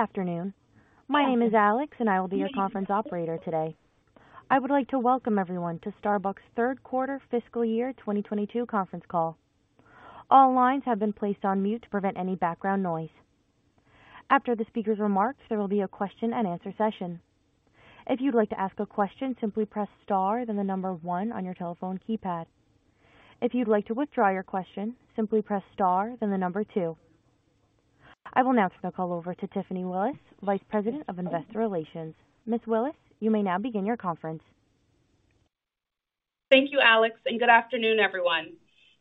Good afternoon. My name is Alex, and I will be your conference operator today. I would like to welcome everyone to Starbucks third quarter fiscal year 2022 conference call. All lines have been placed on mute to prevent any background noise. After the speaker's remarks, there will be a question-and-answer session. If you'd like to ask a question, simply press star then the number one on your telephone keypad. If you'd like to withdraw your question, simply press star then the number two. I will now turn the call over to Tiffany Willis, Vice President of Investor Relations. Ms. Willis, you may now begin your conference. Thank you, Alex, and good afternoon, everyone.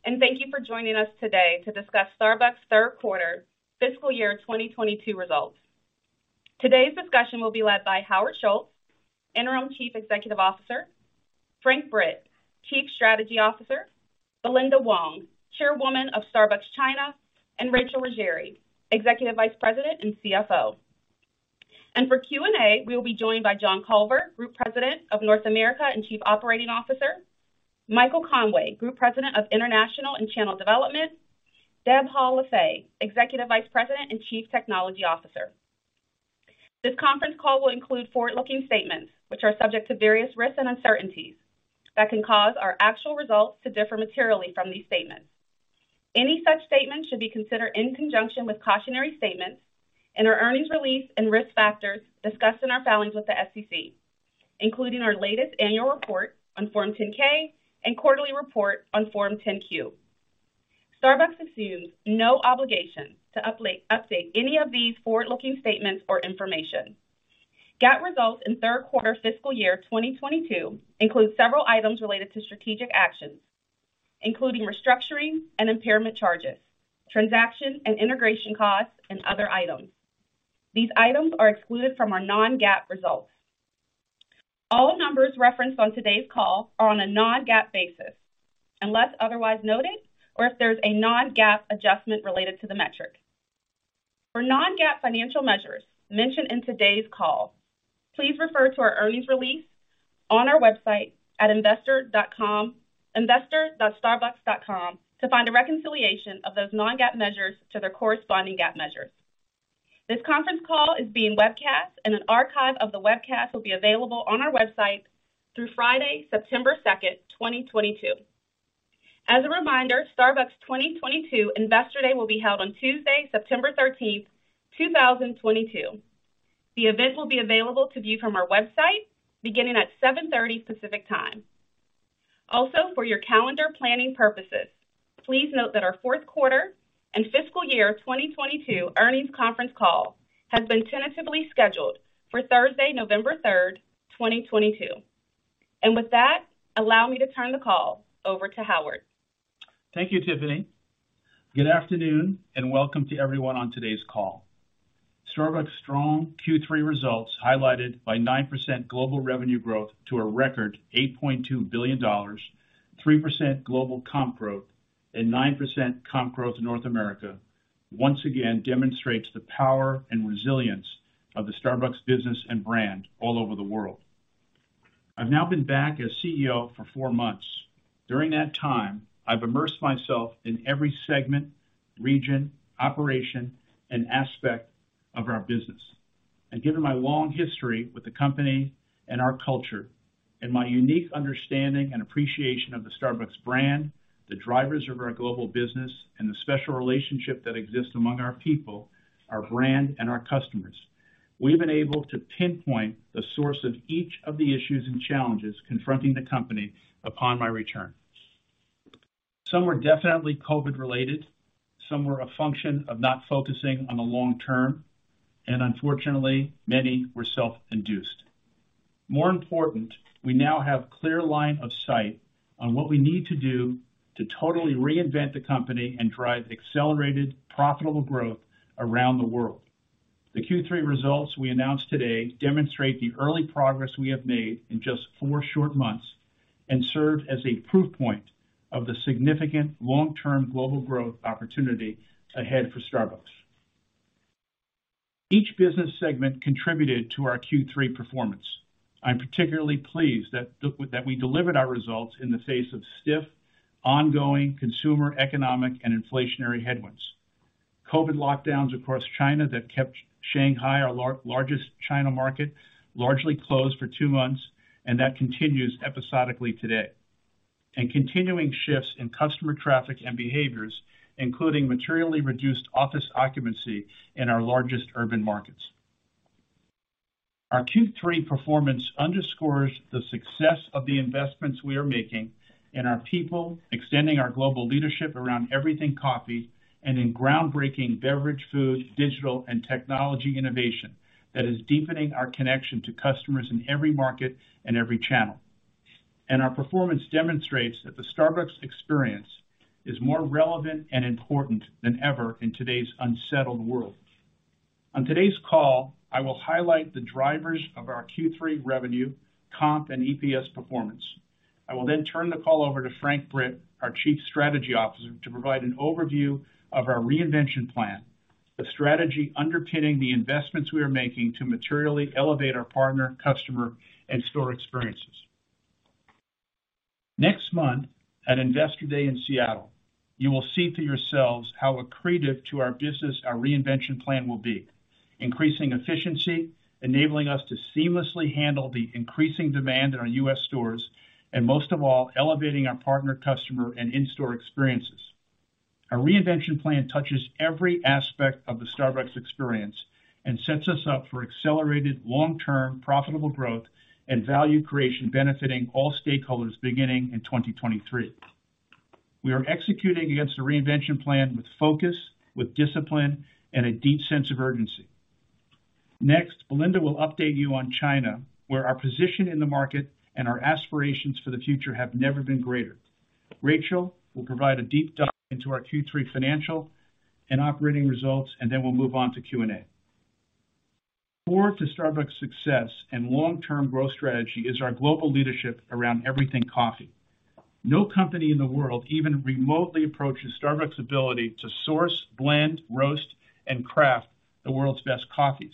Thank you for joining us today to discuss Starbucks third quarter fiscal year 2022 results. Today's discussion will be led by Howard Schultz, Interim Chief Executive Officer, Frank Britt, Chief Strategy Officer, Belinda Wong, Chairwoman of Starbucks China, and Rachel Ruggeri, Executive Vice President and CFO. For Q&A, we'll be joined by John Culver, Group President of North America and Chief Operating Officer, Michael Conway, Group President of International and Channel Development, Deb Hall Lefevre, Executive Vice President and Chief Technology Officer. This conference call will include forward-looking statements, which are subject to various risks and uncertainties that can cause our actual results to differ materially from these statements. Any such statements should be considered in conjunction with cautionary statements in our earnings release and risk factors discussed in our filings with the SEC, including our latest annual report on Form 10-K and quarterly report on Form 10-Q. Starbucks assumes no obligation to update any of these forward-looking statements or information. GAAP results in third quarter fiscal year 2022 include several items related to strategic actions, including restructuring and impairment charges, transaction and integration costs, and other items. These items are excluded from our non-GAAP results. All numbers referenced on today's call are on a non-GAAP basis unless otherwise noted, or if there's a non-GAAP adjustment related to the metric. For non-GAAP financial measures mentioned in today's call, please refer to our earnings release on our website at investor.starbucks.com to find a reconciliation of those non-GAAP measures to their corresponding GAAP measures. This conference call is being webcast, and an archive of the webcast will be available on our website through Friday, September 2nd, 2022. As a reminder, Starbucks' 2022 Investor Day will be held on Tuesday, September 30, 2022. The event will be available to view from our website beginning at 7:30 A.M. Pacific Time. Also, for your calendar planning purposes, please note that our fourth quarter and fiscal year 2022 earnings conference call has been tentatively scheduled for Thursday, November 3rd, 2022. With that, allow me to turn the call over to Howard. Thank you, Tiffany. Good afternoon, and welcome to everyone on today's call. Starbucks' strong Q3 results, highlighted by 9% global revenue growth to a record $8.2 billion, 3% global comp growth, and 9% comp growth in North America, once again demonstrates the power and resilience of the Starbucks business and brand all over the world. I've now been back as CEO for four months. During that time, I've immersed myself in every segment, region, operation, and aspect of our business. Given my long history with the company and our culture and my unique understanding and appreciation of the Starbucks brand, the drivers of our global business, and the special relationship that exists among our people, our brand, and our customers, we've been able to pinpoint the source of each of the issues and challenges confronting the company upon my return. Some were definitely COVID-related, some were a function of not focusing on the long term, and unfortunately, many were self-induced. More important, we now have clear line of sight on what we need to do to totally reinvent the company and drive accelerated, profitable growth around the world. The Q3 results we announced today demonstrate the early progress we have made in just four short months and served as a proof point of the significant long-term global growth opportunity ahead for Starbucks. Each business segment contributed to our Q3 performance. I'm particularly pleased that we delivered our results in the face of stiff, ongoing consumer, economic, and inflationary headwinds, COVID lockdowns across China that kept Shanghai, our largest China market, largely closed for two months, and that continues episodically today, continuing shifts in customer traffic and behaviors, including materially reduced office occupancy in our largest urban markets. Our Q3 performance underscores the success of the investments we are making in our people, extending our global leadership around everything coffee and in groundbreaking beverage, food, digital, and technology innovation that is deepening our connection to customers in every market and every channel. Our performance demonstrates that the Starbucks experience is more relevant and important than ever in today's unsettled world. On today's call, I will highlight the drivers of our Q3 revenue, comp, and EPS performance. I will then turn the call over to Frank Britt, our Chief Strategy Officer, to provide an overview of our reinvention plan, the strategy underpinning the investments we are making to materially elevate our partner, customer, and store experiences. Next month, at Investor Day in Seattle, you will see for yourselves how accretive to our business our reinvention plan will be. Increasing efficiency, enabling us to seamlessly handle the increasing demand in our U.S. stores, and most of all, elevating our partner, customer, and in-store experiences. Our reinvention plan touches every aspect of the Starbucks Experience and sets us up for accelerated long-term profitable growth and value creation benefiting all stakeholders beginning in 2023. We are executing against the reinvention plan with focus, with discipline, and a deep sense of urgency. Next, Linda will update you on China, where our position in the market and our aspirations for the future have never been greater. Rachel will provide a deep dive into our Q3 financial and operating results, and then we'll move on to Q&A. Core to Starbucks success and long-term growth strategy is our global leadership around everything coffee. No company in the world even remotely approaches Starbucks ability to source, blend, roast, and craft the world's best coffees.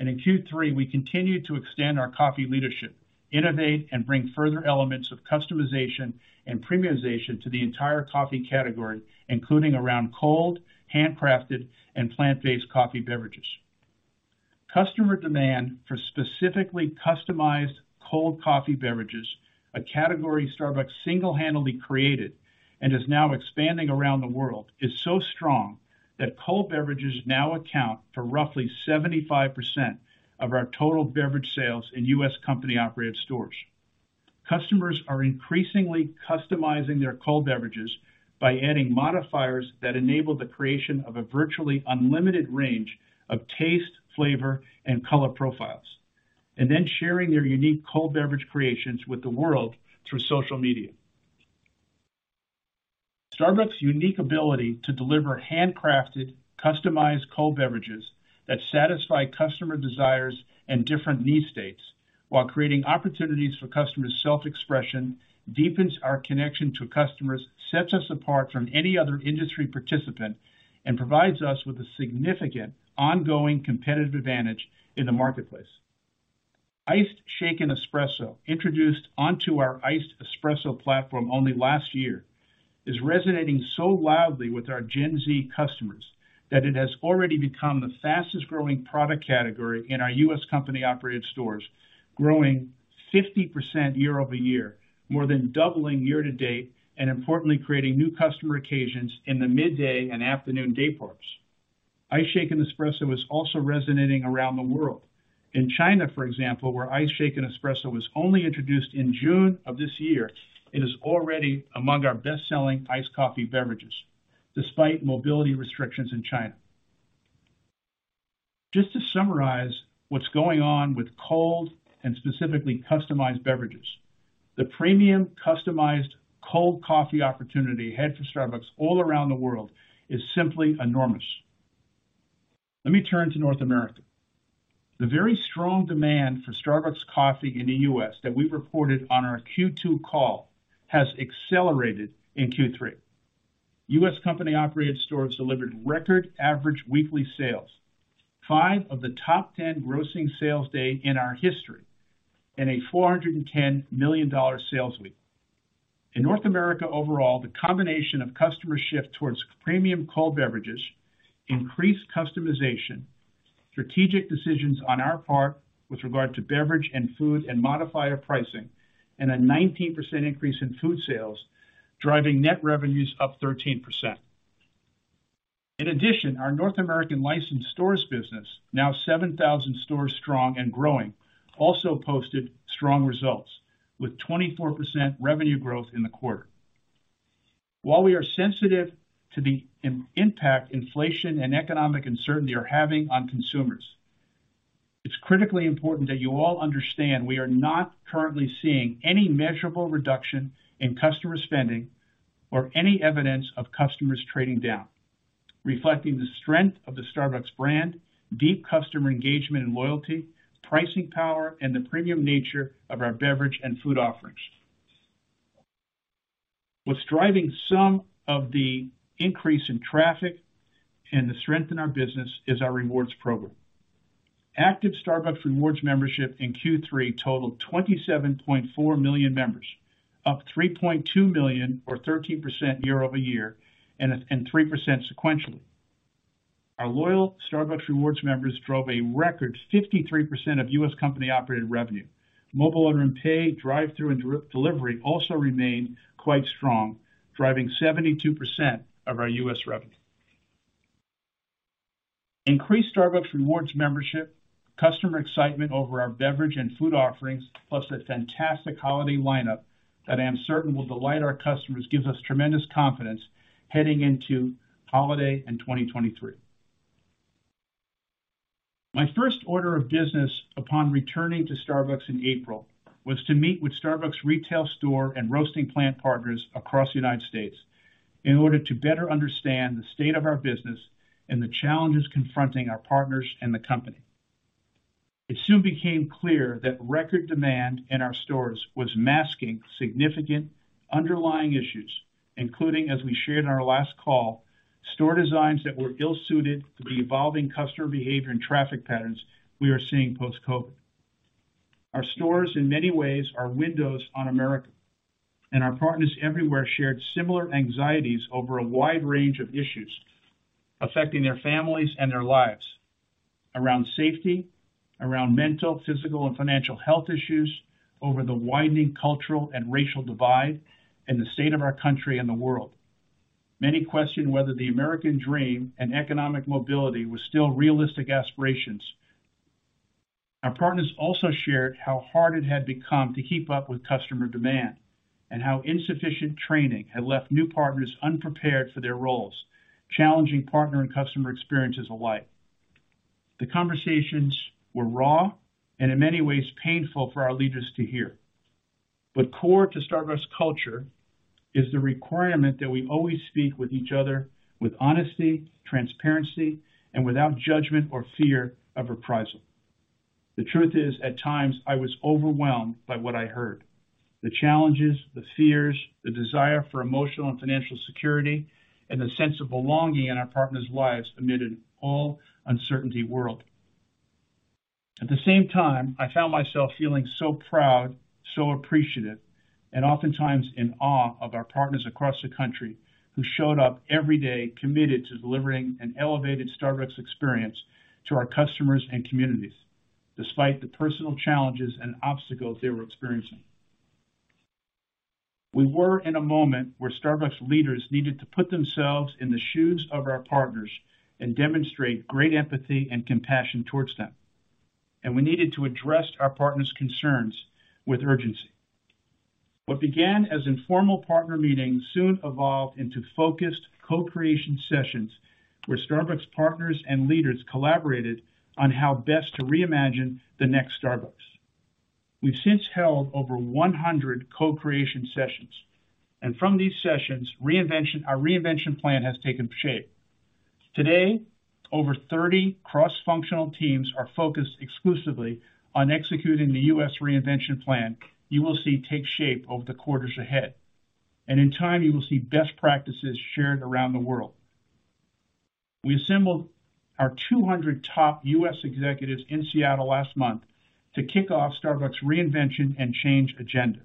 In Q3, we continued to extend our coffee leadership, innovate and bring further elements of customization and premiumization to the entire coffee category, including around cold, handcrafted and plant-based coffee beverages. Customer demand for specifically customized cold coffee beverages, a category Starbucks single-handedly created and is now expanding around the world, is so strong that cold beverages now account for roughly 75% of our total beverage sales in U.S. company-operated stores. Customers are increasingly customizing their cold beverages by adding modifiers that enable the creation of a virtually unlimited range of taste, flavor, and color profiles, and then sharing their unique cold beverage creations with the world through social media. Starbucks' unique ability to deliver handcrafted, customized cold beverages that satisfy customer desires and different need states while creating opportunities for customers' self-expression deepens our connection to customers, sets us apart from any other industry participant, and provides us with a significant ongoing competitive advantage in the marketplace. Iced Shaken Espresso, introduced onto our Iced Espresso platform only last year, is resonating so loudly with our Gen Z customers that it has already become the fastest growing product category in our U.S. company-operated stores, growing 50% year-over-year, more than doubling year-to-date, and importantly, creating new customer occasions in the midday and afternoon day parts. Iced Shaken Espresso is also resonating around the world. In China, for example, where Iced Shaken Espresso was only introduced in June of this year, it is already among our best-selling iced coffee beverages, despite mobility restrictions in China. Just to summarize what's going on with cold and specifically customized beverages, the premium customized cold coffee opportunity ahead for Starbucks all around the world is simply enormous. Let me turn to North America. The very strong demand for Starbucks coffee in the U.S. that we reported on our Q2 call has accelerated in Q3. U.S. company-operated stores delivered record average weekly sales, five of the top 10 grossing sales day in our history, and a $410 million sales week. In North America overall, the combination of customer shift towards premium cold beverages increased customization, strategic decisions on our part with regard to beverage and food and modifier pricing, and a 19% increase in food sales, driving net revenues up 13%. In addition, our North American licensed stores business, now 7,000 stores strong and growing, also posted strong results with 24% revenue growth in the quarter. While we are sensitive to the impact inflation and economic uncertainty are having on consumers, it's critically important that you all understand we are not currently seeing any measurable reduction in customer spending or any evidence of customers trading down, reflecting the strength of the Starbucks brand, deep customer engagement and loyalty, pricing power, and the premium nature of our beverage and food offerings. What's driving some of the increase in traffic and the strength in our business is our rewards program. Active Starbucks Rewards membership in Q3 totaled 27.4 million members, up 3.2 million or 13% year-over-year and 3% sequentially. Our loyal Starbucks Rewards members drove a record 53% of U.S. company-operated revenue. Mobile Order & Pay, drive-thru, and delivery also remain quite strong, driving 72% of our U.S. revenue. Increased Starbucks Rewards membership, customer excitement over our beverage and food offerings, plus a fantastic holiday lineup that I am certain will delight our customers, gives us tremendous confidence heading into holiday in 2023. My first order of business upon returning to Starbucks in April was to meet with Starbucks retail store and roasting plant partners across the United States in order to better understand the state of our business and the challenges confronting our partners and the company. It soon became clear that record demand in our stores was masking significant underlying issues, including, as we shared in our last call, store designs that were ill-suited to the evolving customer behavior and traffic patterns we are seeing post-COVID. Our stores, in many ways, are windows on America, and our partners everywhere shared similar anxieties over a wide range of issues affecting their families and their lives. Around safety, around mental, physical, and financial health issues, over the widening cultural and racial divide, and the state of our country and the world. Many questioned whether the American dream and economic mobility was still realistic aspirations. Our partners also shared how hard it had become to keep up with customer demand and how insufficient training had left new partners unprepared for their roles, challenging partner and customer experiences alike. The conversations were raw and in many ways painful for our leaders to hear. Core to Starbucks culture is the requirement that we always speak with each other with honesty, transparency, and without judgment or fear of reprisal. The truth is, at times I was overwhelmed by what I heard. The challenges, the fears, the desire for emotional and financial security, and the sense of belonging in our partners' lives amid an all too uncertain world. At the same time, I found myself feeling so proud, so appreciative, and oftentimes in awe of our partners across the country who showed up every day committed to delivering an elevated Starbucks experience to our customers and communities, despite the personal challenges and obstacles they were experiencing. We were in a moment where Starbucks leaders needed to put themselves in the shoes of our partners and demonstrate great empathy and compassion towards them. We needed to address our partners' concerns with urgency. What began as informal partner meetings soon evolved into focused co-creation sessions where Starbucks partners and leaders collaborated on how best to reimagine the next Starbucks. We've since held over 100 co-creation sessions, and from these sessions, reinvention, our reinvention plan has taken shape. Today, over 30 cross-functional teams are focused exclusively on executing the U.S. reinvention plan you will see take shape over the quarters ahead. In time, you will see best practices shared around the world. We assembled our 200 top U.S. executives in Seattle last month to kick off Starbucks reinvention and change agenda.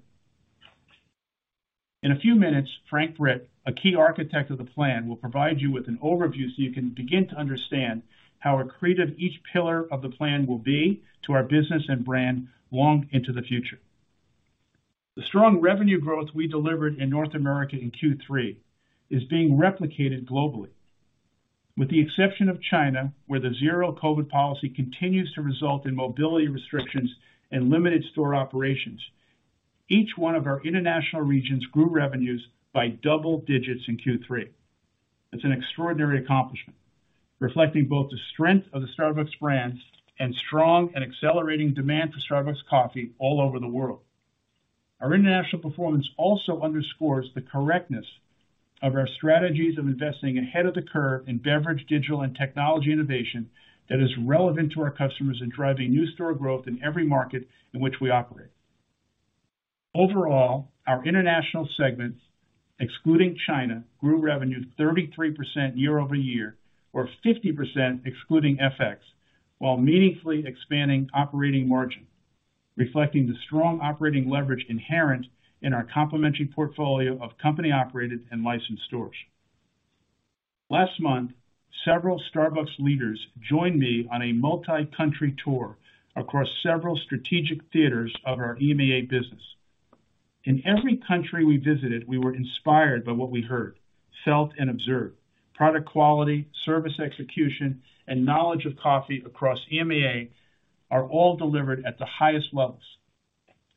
In a few minutes, Frank Britt, a key architect of the plan, will provide you with an overview so you can begin to understand how accretive each pillar of the plan will be to our business and brand long into the future. The strong revenue growth we delivered in North America in Q3 is being replicated globally. With the exception of China, where the Zero-COVID policy continues to result in mobility restrictions and limited store operations. Each one of our International regions grew revenues by double digits in Q3. It's an extraordinary accomplishment, reflecting both the strength of the Starbucks brand and strong and accelerating demand for Starbucks coffee all over the world. Our International performance also underscores the correctness of our strategies of investing ahead of the curve in beverage, digital, and technology innovation that is relevant to our customers in driving new store growth in every market in which we operate. Overall, our International segments, excluding China, grew revenue 33% year-over-year or 50% excluding FX, while meaningfully expanding operating margin, reflecting the strong operating leverage inherent in our complementary portfolio of company-operated and licensed stores. Last month, several Starbucks leaders joined me on a multi-country tour across several strategic theaters of our EMEA business. In every country we visited, we were inspired by what we heard, felt, and observed. Product quality, service execution, and knowledge of coffee across EMEA are all delivered at the highest levels.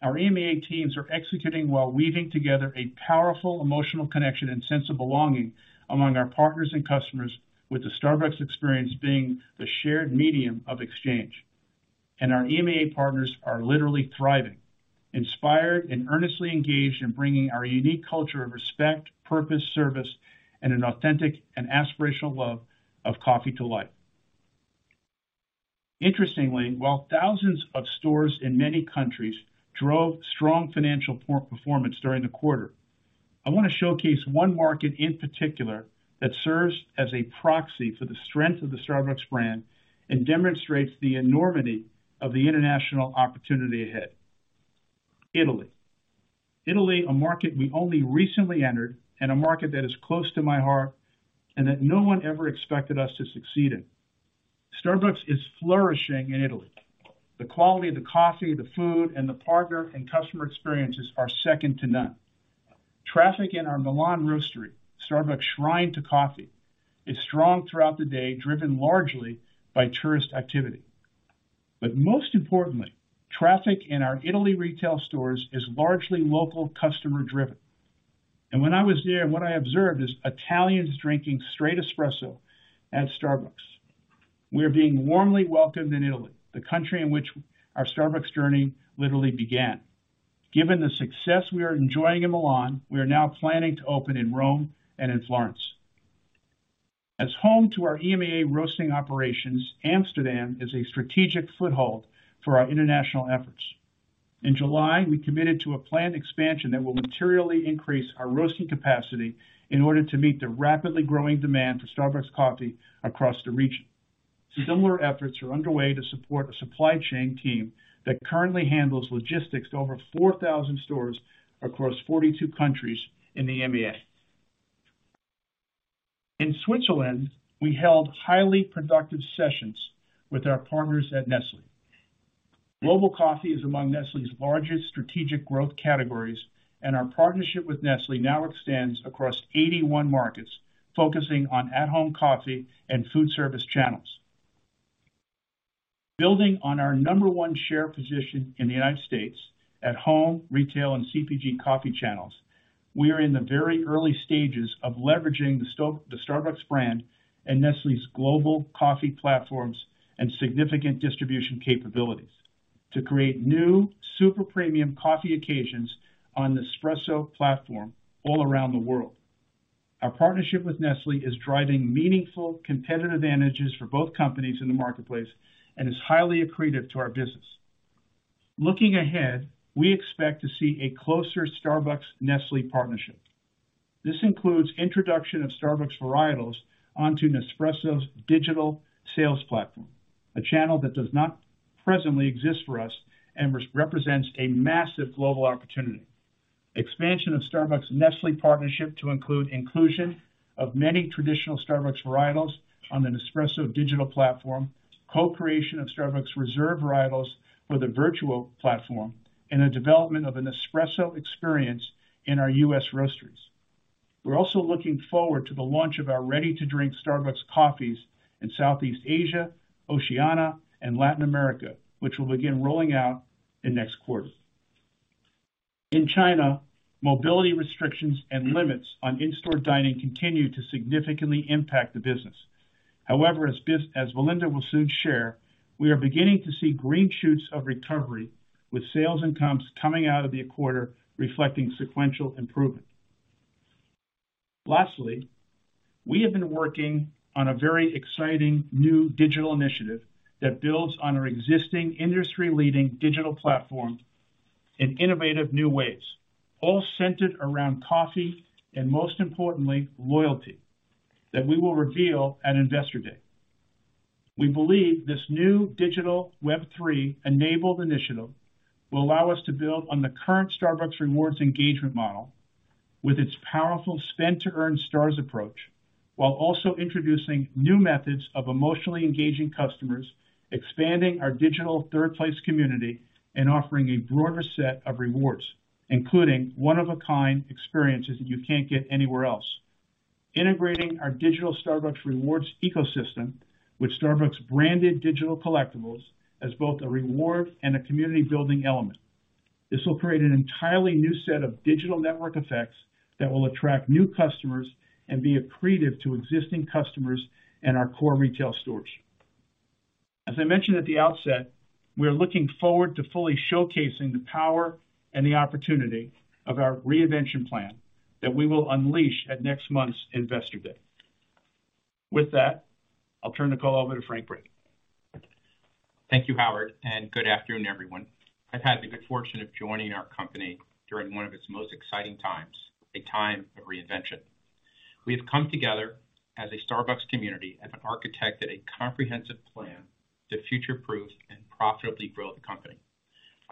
Our EMEA teams are executing while weaving together a powerful emotional connection and sense of belonging among our partners and customers, with the Starbucks experience being the shared medium of exchange. Our EMEA partners are literally thriving, inspired, and earnestly engaged in bringing our unique culture of respect, purpose, service, and an authentic and aspirational love of coffee to life. Interestingly, while thousands of stores in many countries drove strong financial performance during the quarter, I want to showcase one market in particular that serves as a proxy for the strength of the Starbucks brand and demonstrates the enormity of the international opportunity ahead. Italy. Italy, a market we only recently entered and a market that is close to my heart and that no one ever expected us to succeed in. Starbucks is flourishing in Italy. The quality of the coffee, the food, and the partner and customer experiences are second to none. Traffic in our Milan Roastery, Starbucks' shrine to coffee, is strong throughout the day, driven largely by tourist activity. Most importantly, traffic in our Italy retail stores is largely local customer driven. When I was there, what I observed is Italians drinking straight espresso at Starbucks. We are being warmly welcomed in Italy, the country in which our Starbucks journey literally began. Given the success we are enjoying in Milan, we are now planning to open in Rome and in Florence. As home to our EMEA roasting operations, Amsterdam is a strategic foothold for our international efforts. In July, we committed to a planned expansion that will materially increase our roasting capacity in order to meet the rapidly growing demand for Starbucks Coffee across the region. Similar efforts are underway to support a supply chain team that currently handles logistics to over 4,000 stores across 42 countries in the EMEA. In Switzerland, we held highly productive sessions with our partners at Nestlé. Global Coffee is among Nestlé's largest strategic growth categories, and our partnership with Nestlé now extends across 81 markets, focusing on at-home coffee and food service channels. Building on our number one share position in the United States at home, retail, and CPG coffee channels, we are in the very early stages of leveraging the Starbucks brand and Nestlé's global coffee platforms and significant distribution capabilities to create new super premium coffee occasions on Nespresso platform all around the world. Our partnership with Nestlé is driving meaningful competitive advantages for both companies in the marketplace and is highly accretive to our business. Looking ahead, we expect to see a closer Starbucks-Nestlé partnership. This includes introduction of Starbucks varietals onto Nespresso's digital sales platform, a channel that does not presently exist for us and represents a massive global opportunity. Expansion of Starbucks-Nestlé partnership to include inclusion of many traditional Starbucks varietals on the Nespresso digital platform, co-creation of Starbucks Reserve varietals for the virtual platform, and the development of a Nespresso experience in our U.S. roasteries. We're also looking forward to the launch of our ready-to-drink Starbucks coffees in Southeast Asia, Oceania, and Latin America, which will begin rolling out in next quarter. In China, mobility restrictions and limits on in-store dining continue to significantly impact the business. However, as Belinda will soon share, we are beginning to see green shoots of recovery, with sales and comps coming out of the quarter reflecting sequential improvement. Lastly, we have been working on a very exciting new digital initiative that builds on our existing industry-leading digital platform in innovative new ways, all centered around coffee and most importantly, loyalty, that we will reveal at Investor Day. We believe this new digital Web3-enabled initiative will allow us to build on the current Starbucks Rewards engagement model with its powerful spend-to-earn Stars approach, while also introducing new methods of emotionally engaging customers, expanding our digital third place community, and offering a broader set of rewards, including one-of-a-kind experiences that you can't get anywhere else. Integrating our digital Starbucks Rewards ecosystem with Starbucks branded digital collectibles as both a reward and a community-building element. This will create an entirely new set of digital network effects that will attract new customers and be accretive to existing customers in our core retail stores. As I mentioned at the outset, we're looking forward to fully showcasing the power and the opportunity of our reinvention plan that we will unleash at next month's Investor Day. With that, I'll turn the call over to Frank Britt. Thank you, Howard, and good afternoon, everyone. I've had the good fortune of joining our company during one of its most exciting times, a time of reinvention. We have come together as a Starbucks community and have architected a comprehensive plan to future-proof and profitably grow the company.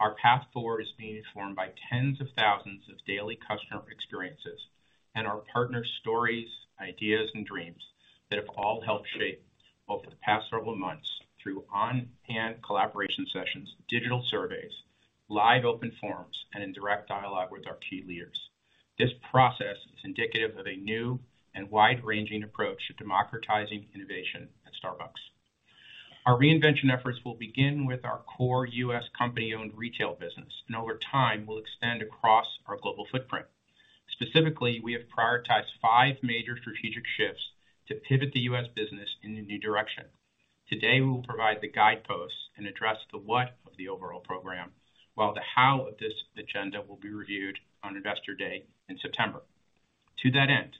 Our path forward is being formed by tens of thousands of daily customer experiences and our partner stories, ideas, and dreams that have all helped shape both the past several months through on-hand collaboration sessions, digital surveys, live open forums, and in direct dialogue with our key leaders. This process is indicative of a new and wide-ranging approach to democratizing innovation at Starbucks. Our reinvention efforts will begin with our core U.S. company-owned retail business, and over time, will expand across our global footprint. Specifically, we have prioritized five major strategic shifts to pivot the U.S. business in a new direction. Today, we will provide the guideposts and address the what of the overall program, while the how of this agenda will be reviewed on Investor Day in September. To that end,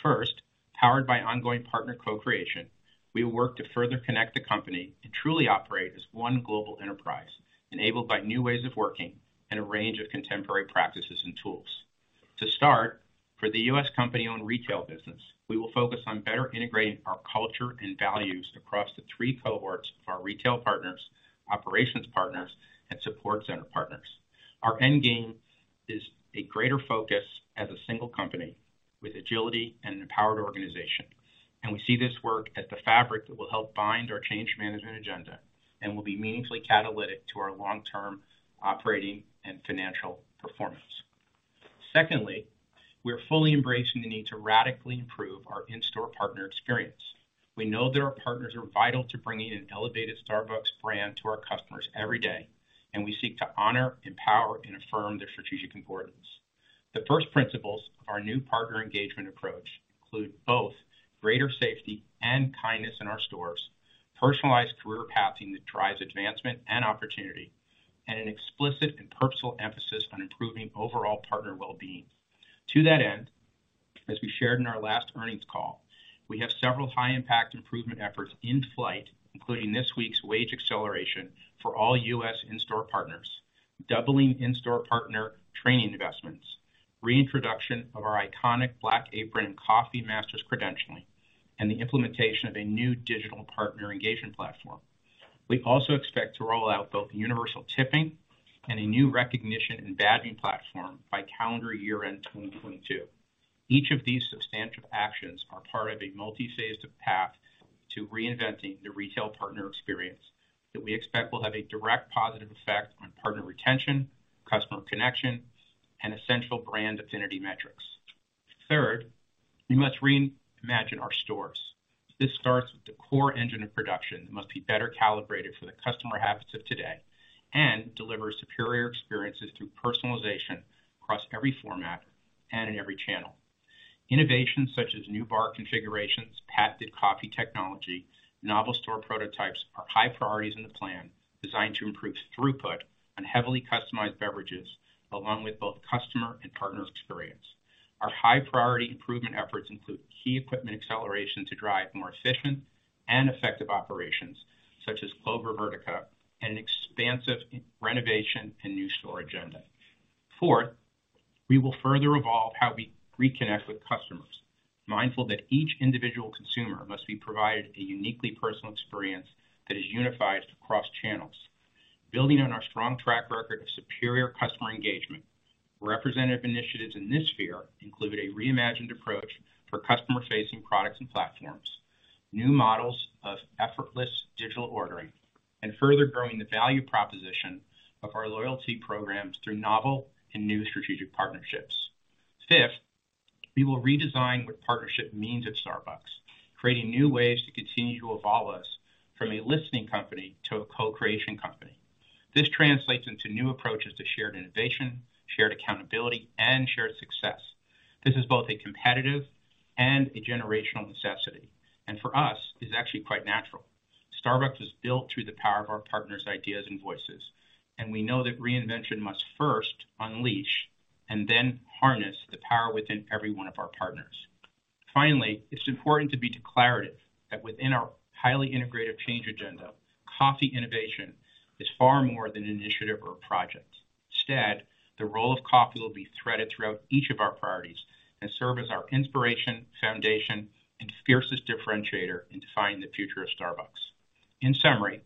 first, powered by ongoing partner co-creation, we will work to further connect the company and truly operate as one global enterprise enabled by new ways of working and a range of contemporary practices and tools. To start, for the U.S. company-owned retail business, we will focus on better integrating our culture and values across the three cohorts of our retail partners, operations partners, and support center partners. Our end game is a greater focus as a single company with agility and an empowered organization. We see this work as the fabric that will help bind our change management agenda and will be meaningfully catalytic to our long-term operating and financial performance. Secondly, we're fully embracing the need to radically improve our in-store partner experience. We know that our partners are vital to bringing an elevated Starbucks brand to our customers every day, and we seek to honor, empower, and affirm their strategic importance. The first principles of our new partner engagement approach include both greater safety and kindness in our stores, personalized career pathing that drives advancement and opportunity, and an explicit and purposeful emphasis on improving overall partner well-being. To that end, as we shared in our last earnings call, we have several high impact improvement efforts in flight, including this week's wage acceleration for all U.S. in-store partners, doubling in-store partner training investments, reintroduction of our iconic black apron Coffee Masters credentialing, and the implementation of a new digital partner engagement platform. We also expect to roll out both universal tipping and a new recognition and badging platform by calendar year-end 2022. Each of these substantive actions are part of a multi-phased path to reinventing the retail partner experience that we expect will have a direct positive effect on partner retention, customer connection, and essential brand affinity metrics. Third, we must reimagine our stores. This starts with the core engine of production that must be better calibrated for the customer habits of today and deliver superior experiences through personalization across every format and in every channel. Innovations such as new bar configurations, patented coffee technology, novel store prototypes are high priorities in the plan designed to improve throughput on heavily customized beverages, along with both customer and partner experience. Our high priority improvement efforts include key equipment acceleration to drive more efficient and effective operations such as Clover Vertica and expansive renovation and new store agenda. Fourth, we will further evolve how we reconnect with customers, mindful that each individual consumer must be provided a uniquely personal experience that is unified across channels. Building on our strong track record of superior customer engagement, representative initiatives in this sphere include a reimagined approach for customer-facing products and platforms, new models of effortless digital ordering, and further growing the value proposition of our loyalty programs through novel and new strategic partnerships. Fifth, we will redesign what partnership means at Starbucks, creating new ways to continue to evolve us from a listening company to a co-creation company. This translates into new approaches to shared innovation, shared accountability, and shared success. This is both a competitive and a generational necessity, and for us, it's actually quite natural. Starbucks was built through the power of our partners' ideas and voices, and we know that reinvention must first unleash and then harness the power within every one of our partners. Finally, it's important to be declarative that within our highly integrated change agenda, coffee innovation is far more than an initiative or a project. Instead, the role of coffee will be threaded throughout each of our priorities and serve as our inspiration, foundation, and fiercest differentiator in defining the future of Starbucks. In summary,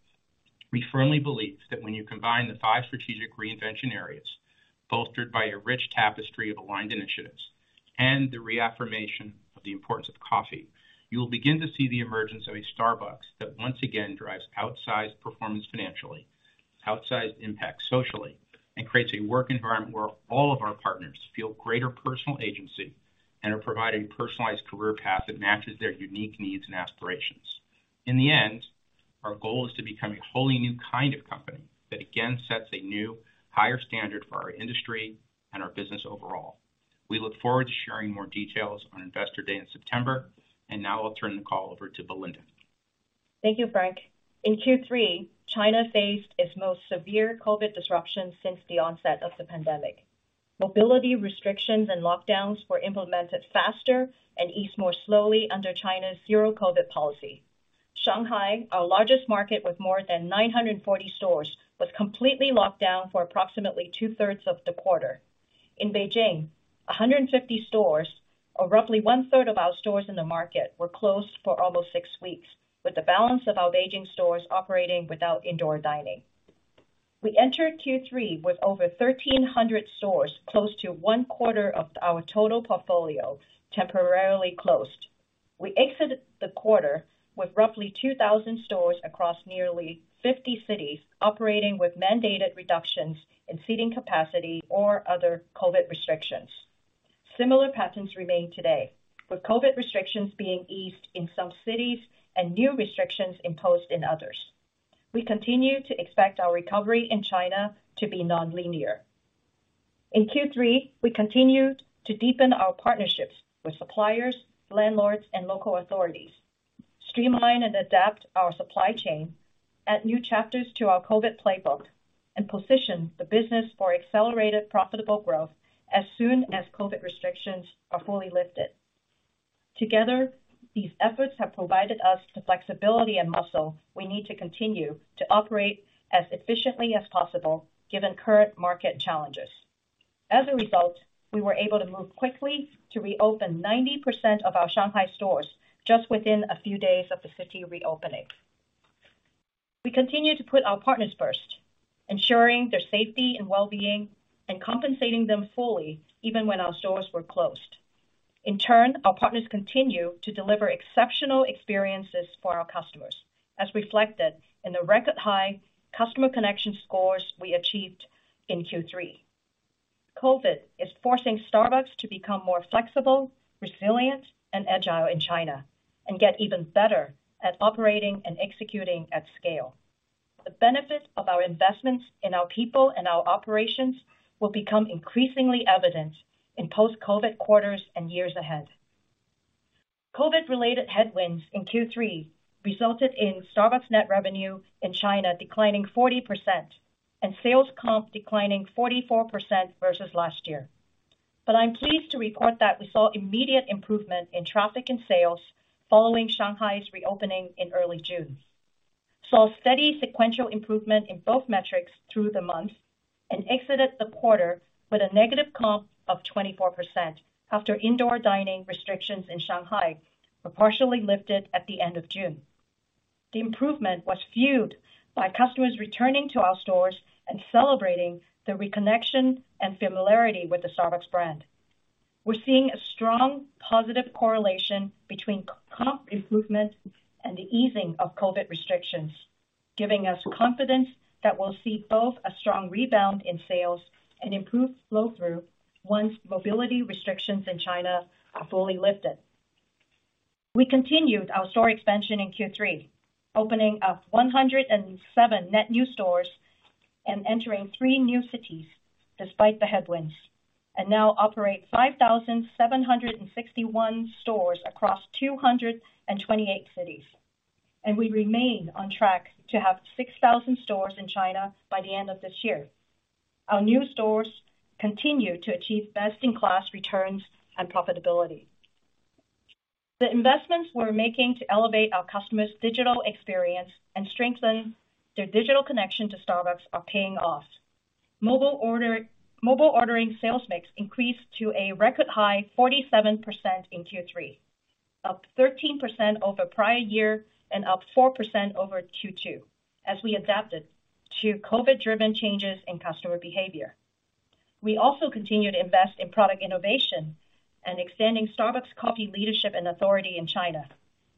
we firmly believe that when you combine the five strategic reinvention areas, bolstered by a rich tapestry of aligned initiatives and the reaffirmation of the importance of coffee, you will begin to see the emergence of a Starbucks that once again drives outsized performance financially, outsized impact socially, and creates a work environment where all of our partners feel greater personal agency and are provided personalized career path that matches their unique needs and aspirations. In the end, our goal is to become a wholly new kind of company that again sets a new, higher standard for our industry and our business overall. We look forward to sharing more details on Investor Day in September. Now I'll turn the call over to Belinda. Thank you, Frank. In Q3, China faced its most severe COVID disruption since the onset of the pandemic. Mobility restrictions and lockdowns were implemented faster and eased more slowly under China's Zero-COVID policy. Shanghai, our largest market with more than 940 stores, was completely locked down for approximately 2/3 of the quarter. In Beijing, 150 stores, or roughly 1/3 of our stores in the market, were closed for almost six weeks, with the balance of our Beijing stores operating without indoor dining. We entered Q3 with over 1,300 stores, close to 1/4 of our total portfolio temporarily closed. We exited the quarter with roughly 2,000 stores across nearly 50 cities, operating with mandated reductions in seating capacity or other COVID restrictions. Similar patterns remain today, with COVID restrictions being eased in some cities and new restrictions imposed in others. We continue to expect our recovery in China to be nonlinear. In Q3, we continued to deepen our partnerships with suppliers, landlords, and local authorities, streamline and adapt our supply chain, add new chapters to our COVID playbook, and position the business for accelerated profitable growth as soon as COVID restrictions are fully lifted. Together, these efforts have provided us the flexibility and muscle we need to continue to operate as efficiently as possible given current market challenges. As a result, we were able to move quickly to reopen 90% of our Shanghai stores just within a few days of the city reopening. We continue to put our partners first, ensuring their safety and well-being and compensating them fully even when our stores were closed. In turn, our partners continue to deliver exceptional experiences for our customers, as reflected in the record high customer connection scores we achieved in Q3. COVID is forcing Starbucks to become more flexible, resilient, and agile in China and get even better at operating and executing at scale. The benefits of our investments in our people and our operations will become increasingly evident in post-COVID quarters and years ahead. COVID related headwinds in Q3 resulted in Starbucks net revenue in China declining 40% and sales comp declining 44% versus last year. I'm pleased to report that we saw immediate improvement in traffic and sales following Shanghai's reopening in early June. Saw steady sequential improvement in both metrics through the month and exited the quarter with a negative comp of 24% after indoor dining restrictions in Shanghai were partially lifted at the end of June. The improvement was fueled by customers returning to our stores and celebrating the reconnection and familiarity with the Starbucks brand. We're seeing a strong positive correlation between comp improvement and the easing of COVID restrictions, giving us confidence that we'll see both a strong rebound in sales and improved flow through once mobility restrictions in China are fully lifted. We continued our store expansion in Q3, opening up 107 net new stores and entering three new cities despite the headwinds, and now operate 5,761 stores across 228 cities. We remain on track to have 6,000 stores in China by the end of this year. Our new stores continue to achieve best in class returns and profitability. The investments we're making to elevate our customer's digital experience and strengthen their digital connection to Starbucks are paying off. Mobile ordering sales mix increased to a record high 47% in Q3, up 13% over prior year and up 4% over Q2 as we adapted to COVID-driven changes in customer behavior. We also continue to invest in product innovation and extending Starbucks coffee leadership and authority in China.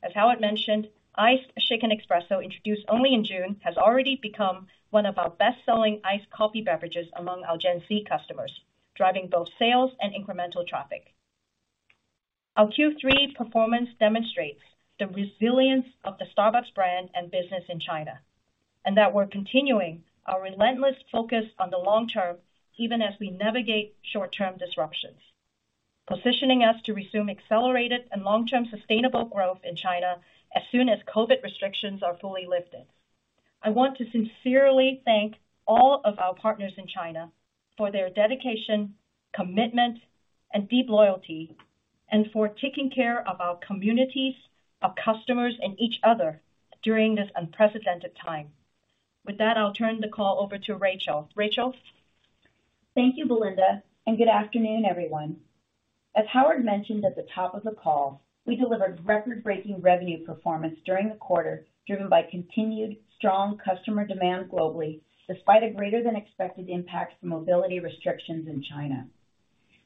As Howard mentioned, Iced Shaken Espresso, introduced only in June, has already become one of our best-selling iced coffee beverages among our Gen Z customers, driving both sales and incremental traffic. Our Q3 performance demonstrates the resilience of the Starbucks brand and business in China, and that we're continuing our relentless focus on the long term, even as we navigate short-term disruptions, positioning us to resume accelerated and long-term sustainable growth in China as soon as COVID restrictions are fully lifted. I want to sincerely thank all of our partners in China for their dedication, commitment and deep loyalty, and for taking care of our communities, our customers, and each other during this unprecedented time. With that, I'll turn the call over to Rachel. Rachel? Thank you, Belinda, and good afternoon, everyone. As Howard mentioned at the top of the call, we delivered record-breaking revenue performance during the quarter, driven by continued strong customer demand globally, despite a greater than expected impact from mobility restrictions in China.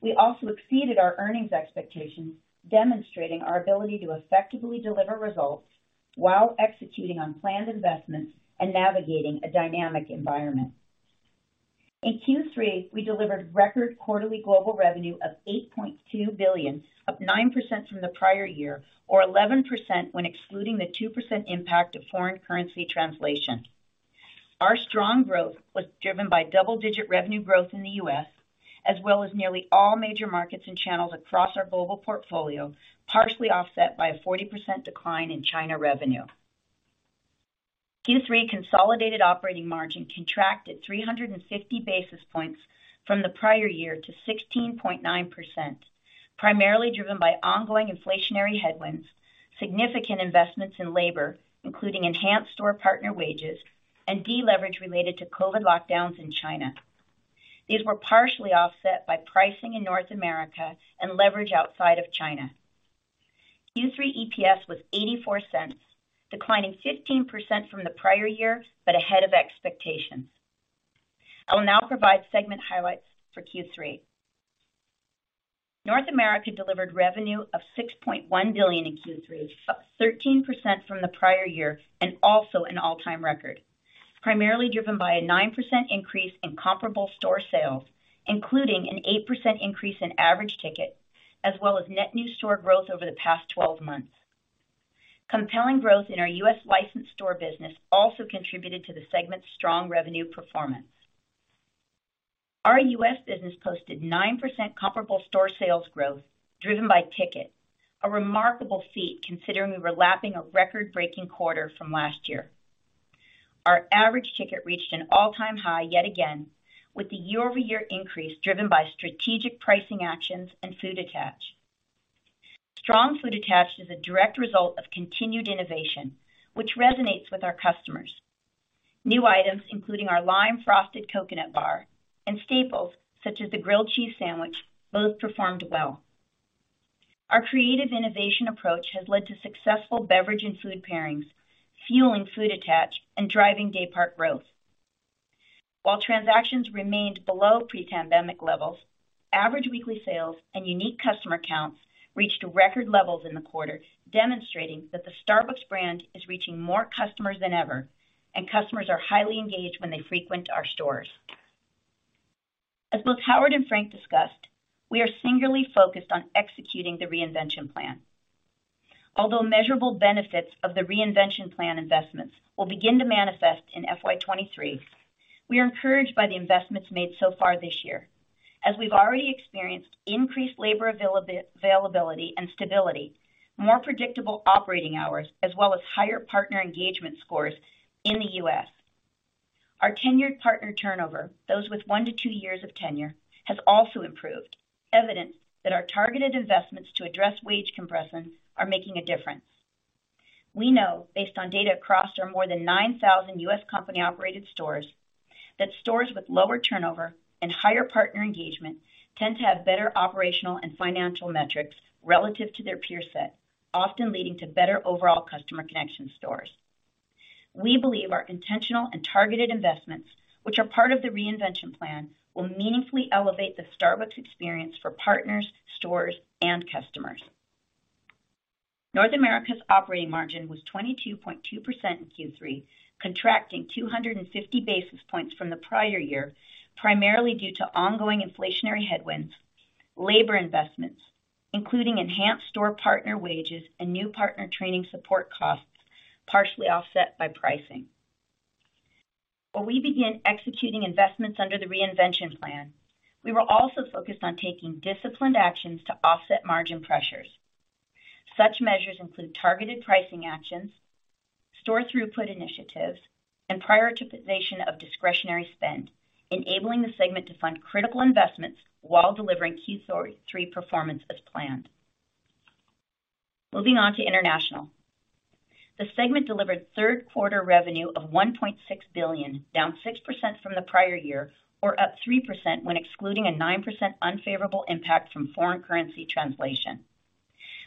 We also exceeded our earnings expectations, demonstrating our ability to effectively deliver results while executing on planned investments and navigating a dynamic environment. In Q3, we delivered record quarterly global revenue of $8.2 billion, up 9% from the prior year, or 11% when excluding the 2% impact of foreign currency translation. Our strong growth was driven by double-digit revenue growth in the U.S. as well as nearly all major markets and channels across our global portfolio, partially offset by a 40% decline in China revenue. Q3 consolidated operating margin contracted 350 basis points from the prior year to 16.9%, primarily driven by ongoing inflationary headwinds, significant investments in labor, including enhanced store partner wages, and deleverage related to COVID lockdowns in China. These were partially offset by pricing in North America and leverage outside of China. Q3 EPS was $0.84, declining 15% from the prior year, but ahead of expectations. I will now provide segment highlights for Q3. North America delivered revenue of $6.1 billion in Q3, up 13% from the prior year and also an all-time record, primarily driven by a 9% increase in comparable store sales, including an 8% increase in average ticket as well as net new store growth over the past 12 months. Compelling growth in our U.S. licensed store business also contributed to the segment's strong revenue performance. Our U.S. business posted 9% comparable store sales growth driven by ticket, a remarkable feat considering we were lapping a record-breaking quarter from last year. Our average ticket reached an all-time high yet again, with the year-over-year increase driven by strategic pricing actions and food attach. Strong food attach is a direct result of continued innovation, which resonates with our customers. New items including our Lime-Frosted Coconut Bar and staples such as the Grilled Cheese Sandwich, both performed well. Our creative innovation approach has led to successful beverage and food pairings, fueling food attach and driving day part growth. While transactions remained below pre-pandemic levels, average weekly sales and unique customer counts reached record levels in the quarter, demonstrating that the Starbucks brand is reaching more customers than ever, and customers are highly engaged when they frequent our stores. As both Howard and Frank discussed, we are singularly focused on executing the reinvention plan. Although measurable benefits of the reinvention plan investments will begin to manifest in FY 2023, we are encouraged by the investments made so far this year. As we've already experienced increased labor availability and stability, more predictable operating hours, as well as higher partner engagement scores in the U.S. Our tenured partner turnover, those with one to two years of tenure, has also improved, evidence that our targeted investments to address wage compression are making a difference. We know, based on data across our more than 9,000 U.S. company-operated stores, that stores with lower turnover and higher partner engagement tend to have better operational and financial metrics relative to their peer set, often leading to better overall customer connection stores. We believe our intentional and targeted investments, which are part of the reinvention plan, will meaningfully elevate the Starbucks experience for partners, stores, and customers. North America's operating margin was 22.2% in Q3, contracting 250 basis points from the prior year, primarily due to ongoing inflationary headwinds, labor investments, including enhanced store partner wages and new partner training support costs, partially offset by pricing. When we begin executing investments under the reinvention plan, we were also focused on taking disciplined actions to offset margin pressures. Such measures include targeted pricing actions, store throughput initiatives, and prioritization of discretionary spend, enabling the segment to fund critical investments while delivering Q3 performance as planned. Moving on to International. The segment delivered third quarter revenue of $1.6 billion, down 6% from the prior year, or up 3% when excluding a 9% unfavorable impact from foreign currency translation.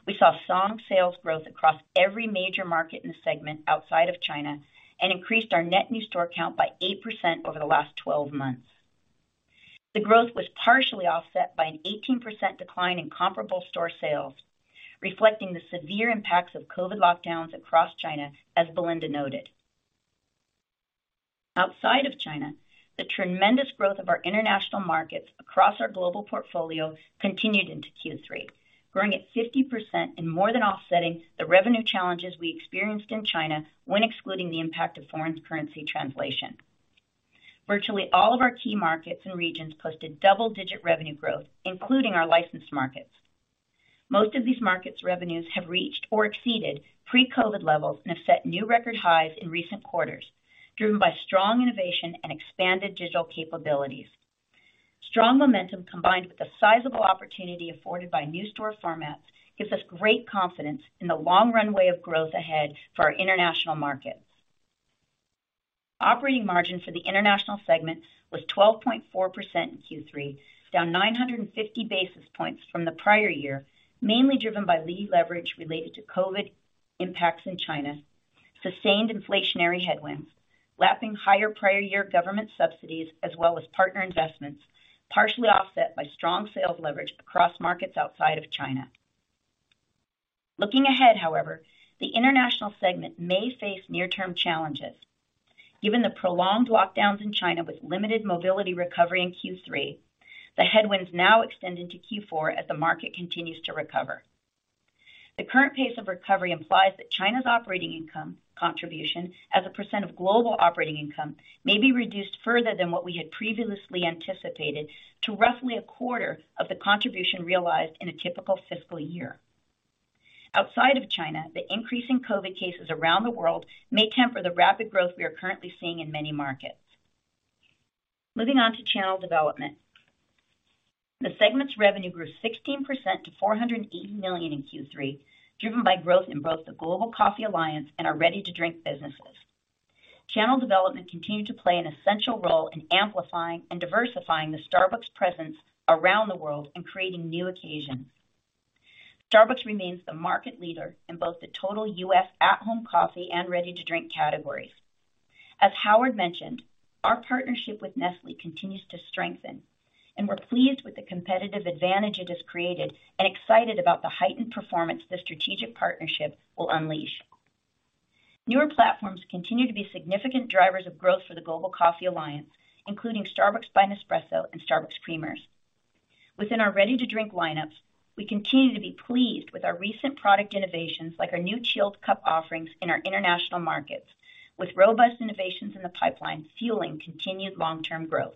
We saw strong sales growth across every major market in the segment outside of China and increased our net new store count by 8% over the last 12 months. The growth was partially offset by an 18% decline in comparable store sales, reflecting the severe impacts of COVID lockdowns across China, as Belinda noted. Outside of China, the tremendous growth of our international markets across our global portfolio continued into Q3, growing at 50% and more than offsetting the revenue challenges we experienced in China when excluding the impact of foreign currency translation. Virtually all of our key markets and regions posted double-digit revenue growth, including our licensed markets. Most of these markets' revenues have reached or exceeded pre-COVID levels and have set new record highs in recent quarters, driven by strong innovation and expanded digital capabilities. Strong momentum combined with the sizable opportunity afforded by new store formats gives us great confidence in the long runway of growth ahead for our international markets. Operating margin for the International segment was 12.4% in Q3, down 950 basis points from the prior year, mainly driven by leverage related to COVID impacts in China, sustained inflationary headwinds, lapping higher prior year government subsidies as well as partner investments, partially offset by strong sales leverage across markets outside of China. Looking ahead, however, the International segment may face near-term challenges. Given the prolonged lockdowns in China with limited mobility recovery in Q3, the headwinds now extend into Q4 as the market continues to recover. The current pace of recovery implies that China's operating income contribution as a percent of global operating income may be reduced further than what we had previously anticipated to roughly 1/4 of the contribution realized in a typical fiscal year. Outside of China, the increase in COVID cases around the world may temper the rapid growth we are currently seeing in many markets. Moving on to Channel Development. The segment's revenue grew 16% to $480 million in Q3, driven by growth in both the Global Coffee Alliance and our ready-to-drink businesses. Channel development continued to play an essential role in amplifying and diversifying the Starbucks presence around the world and creating new occasions. Starbucks remains the market leader in both the total U.S. at-home coffee and ready-to-drink categories. As Howard mentioned, our partnership with Nestlé continues to strengthen, and we're pleased with the competitive advantage it has created and excited about the heightened performance this strategic partnership will unleash. Newer platforms continue to be significant drivers of growth for the Global Coffee Alliance, including Starbucks by Nespresso and Starbucks creamers. Within our ready-to-drink lineups, we continue to be pleased with our recent product innovations, like our new Chilled Cup offerings in our international markets, with robust innovations in the pipeline fueling continued long-term growth.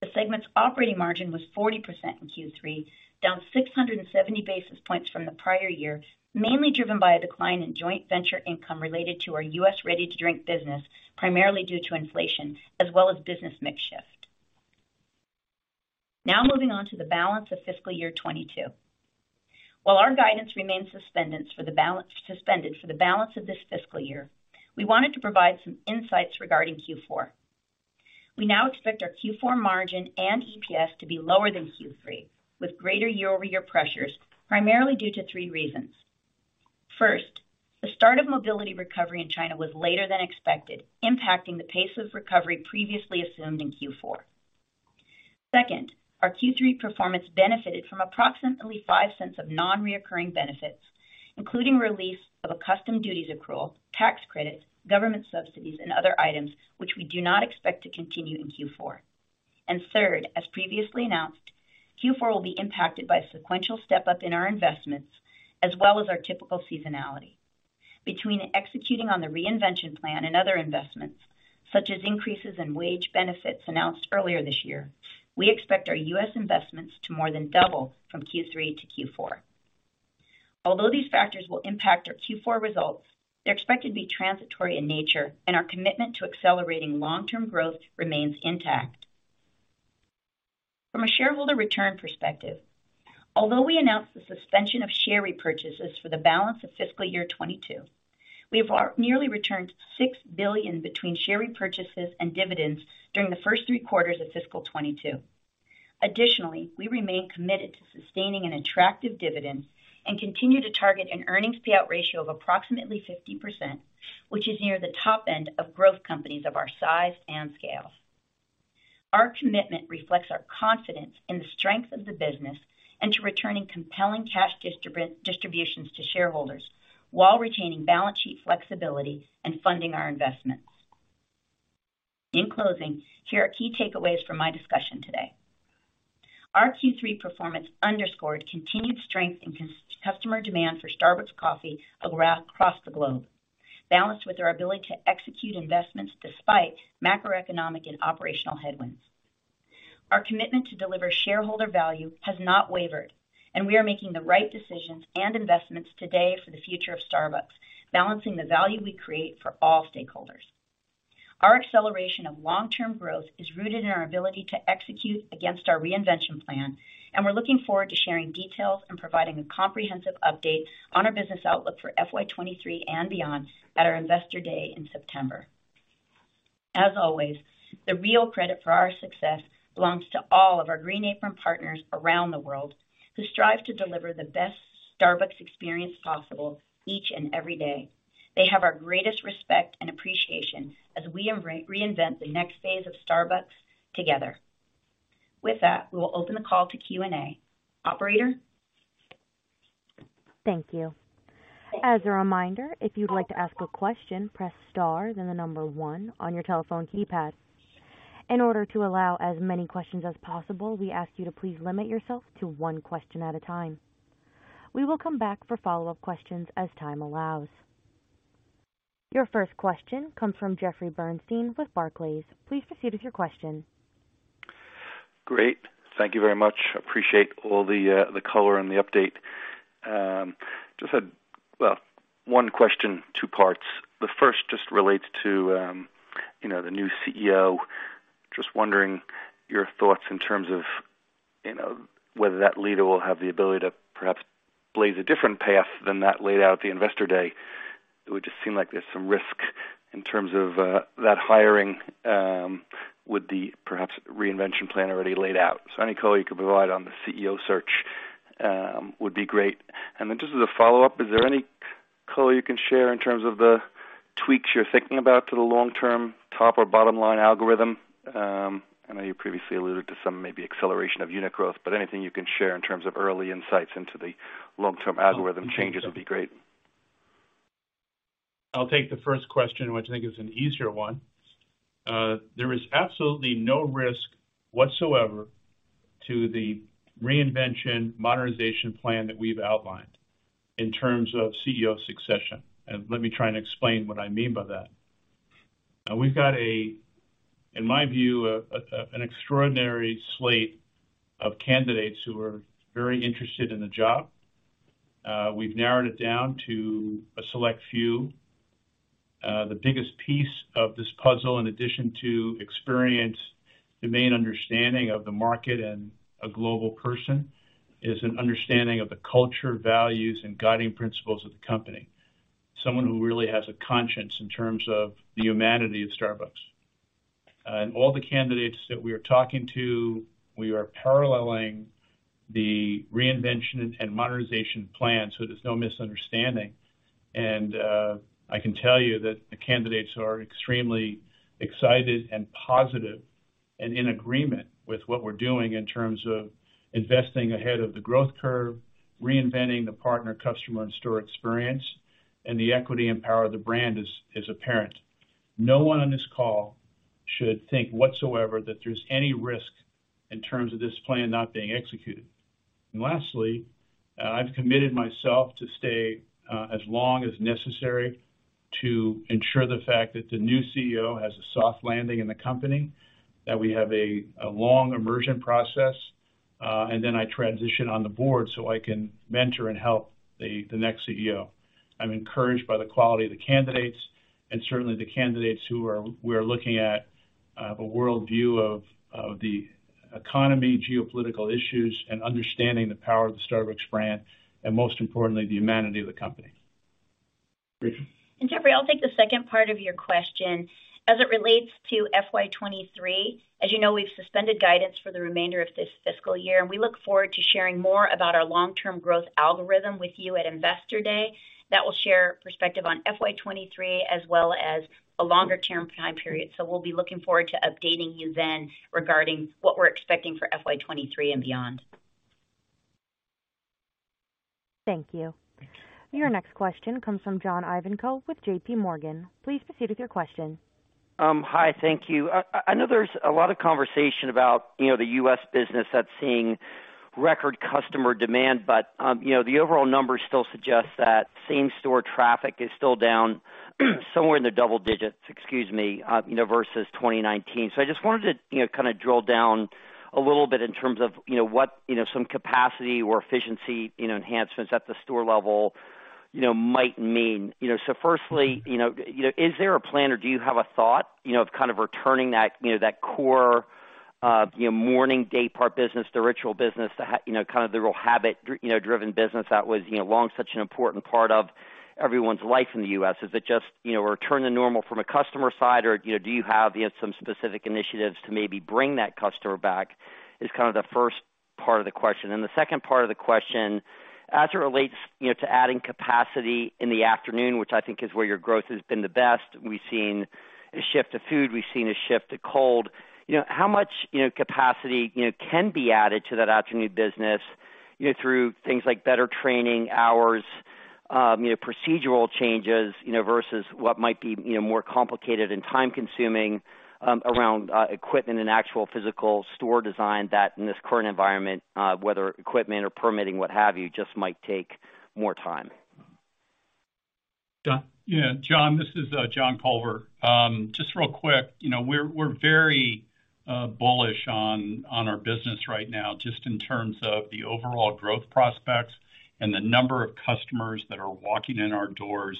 The segment's operating margin was 40% in Q3, down 670 basis points from the prior year, mainly driven by a decline in joint venture income related to our U.S. ready-to-drink business, primarily due to inflation as well as business mix shift. Now moving on to the balance of fiscal year 2022. While our guidance remains suspended for the balance of this fiscal year, we wanted to provide some insights regarding Q4. We now expect our Q4 margin and EPS to be lower than Q3, with greater year-over-year pressures, primarily due to three reasons. First, the start of mobility recovery in China was later than expected, impacting the pace of recovery previously assumed in Q4. Second, our Q3 performance benefited from approximately $0.05 of non-recurring benefits, including release of a customs duties accrual, tax credits, government subsidies, and other items which we do not expect to continue in Q4. Third, as previously announced, Q4 will be impacted by a sequential step-up in our investments as well as our typical seasonality. Between executing on the reinvention plan and other investments, such as increases in wage benefits announced earlier this year, we expect our U.S. investments to more than double from Q3 to Q4. Although these factors will impact our Q4 results, they're expected to be transitory in nature and our commitment to accelerating long-term growth remains intact. From a shareholder return perspective, although we announced the suspension of share repurchases for the balance of fiscal year 2022, we have nearly returned $6 billion between share repurchases and dividends during the first three quarters of fiscal 2022. Additionally, we remain committed to sustaining an attractive dividend and continue to target an earnings payout ratio of approximately 50%, which is near the top end of growth companies of our size and scale. Our commitment reflects our confidence in the strength of the business and to returning compelling cash distributions to shareholders while retaining balance sheet flexibility and funding our investments. In closing, here are key takeaways from my discussion today. Our Q3 performance underscored continued strength in customer demand for Starbucks coffee across the globe, balanced with our ability to execute investments despite macroeconomic and operational headwinds. Our commitment to deliver shareholder value has not wavered, and we are making the right decisions and investments today for the future of Starbucks, balancing the value we create for all stakeholders. Our acceleration of long-term growth is rooted in our ability to execute against our reinvention plan, and we're looking forward to sharing details and providing a comprehensive update on our business outlook for FY 2023 and beyond at our Investor Day in September. As always, the real credit for our success belongs to all of our Green Apron partners around the world who strive to deliver the best Starbucks experience possible each and every day. They have our greatest respect and appreciation as we reinvent the next phase of Starbucks together. With that, we will open the call to Q&A. Operator? Thank you. As a reminder, if you'd like to ask a question, press star, then one on your telephone keypad. In order to allow as many questions as possible, we ask you to please limit yourself to one question at a time. We will come back for follow-up questions as time allows. Your first question comes from Jeffrey Bernstein with Barclays. Please proceed with your question. Great. Thank you very much. Appreciate all the the color and the update. Just had, well, one question, two parts. The first just relates to, you know, the new CEO. Just wondering your thoughts in terms of, you know, whether that leader will have the ability to perhaps blaze a different path than that laid out at the Investor Day. It would just seem like there's some risk in terms of, that hiring, with the perhaps reinvention plan already laid out. So any color you could provide on the CEO search, would be great. Then just as a follow-up, is there any color you can share in terms of the tweaks you're thinking about to the long-term top or bottom-line algorithm? I know you previously alluded to some maybe acceleration of unit growth, but anything you can share in terms of early insights into the long-term algorithm changes would be great. I'll take the first question, which I think is an easier one. There is absolutely no risk whatsoever to the reinvention modernization plan that we've outlined in terms of CEO succession. Let me try and explain what I mean by that. We've got in my view, an extraordinary slate of candidates who are very interested in the job. We've narrowed it down to a select few. The biggest piece of this puzzle, in addition to experience, domain understanding of the market and a global person, is an understanding of the culture, values, and guiding principles of the company. Someone who really has a conscience in terms of the humanity of Starbucks. All the candidates that we are talking to, we are paralleling the reinvention and modernization plan so there's no misunderstanding. I can tell you that the candidates are extremely excited and positive and in agreement with what we're doing in terms of investing ahead of the growth curve, reinventing the partner, customer, and store experience, and the equity and power of the brand is apparent. No one on this call should think whatsoever that there's any risk in terms of this plan not being executed. Lastly, I've committed myself to stay as long as necessary to ensure the fact that the new CEO has a soft landing in the company, that we have a long immersion process, and then I transition on the board so I can mentor and help the next CEO. I'm encouraged by the quality of the candidates, and certainly the candidates we're looking at, a world view of the economy, geopolitical issues, and understanding the power of the Starbucks brand, and most importantly, the humanity of the company. Rachel? Jeffrey, I'll take the second part of your question. As it relates to FY 2023, as you know, we've suspended guidance for the remainder of this fiscal year, and we look forward to sharing more about our long-term growth algorithm with you at Investor Day. That will share perspective on FY 2023 as well as a longer-term time period. We'll be looking forward to updating you then regarding what we're expecting for FY 2023 and beyond. Thank you. Your next question comes from John Ivankoe with JPMorgan. Please proceed with your question. Hi, thank you. I know there's a lot of conversation about, you know, the U.S. business that's seeing record customer demand, but, you know, the overall numbers still suggest that same-store traffic is still down somewhere in the double digits, excuse me, you know, versus 2019. I just wanted to, you know, kind of drill down a little bit in terms of, you know, what, you know, some capacity or efficiency, you know, enhancements at the store level, you know, might mean. You know, firstly, you know, is there a plan or do you have a thought, you know, of kind of returning that, you know, that core, morning daypart business, the ritual business, you know, kind of the real habit, you know, driven business that was, you know, long such an important part of everyone's life in the U.S.? Is it just, you know, return to normal from a customer side or, you know, do you have, you know, some specific initiatives to maybe bring that customer back? Is kind of the first part of the question. The second part of the question, as it relates, you know, to adding capacity in the afternoon, which I think is where your growth has been the best. We've seen a shift to food, we've seen a shift to cold. You know, how much, you know, capacity, you know, can be added to that afternoon business, you know, through things like better training hours, you know, procedural changes, you know, versus what might be, you know, more complicated and time consuming, around, equipment and actual physical store design that in this current environment, whether equipment or permitting what have you, just might take more time. John? Yeah, John, this is John Culver. Just real quick, you know, we're very bullish on our business right now, just in terms of the overall growth prospects and the number of customers that are walking in our doors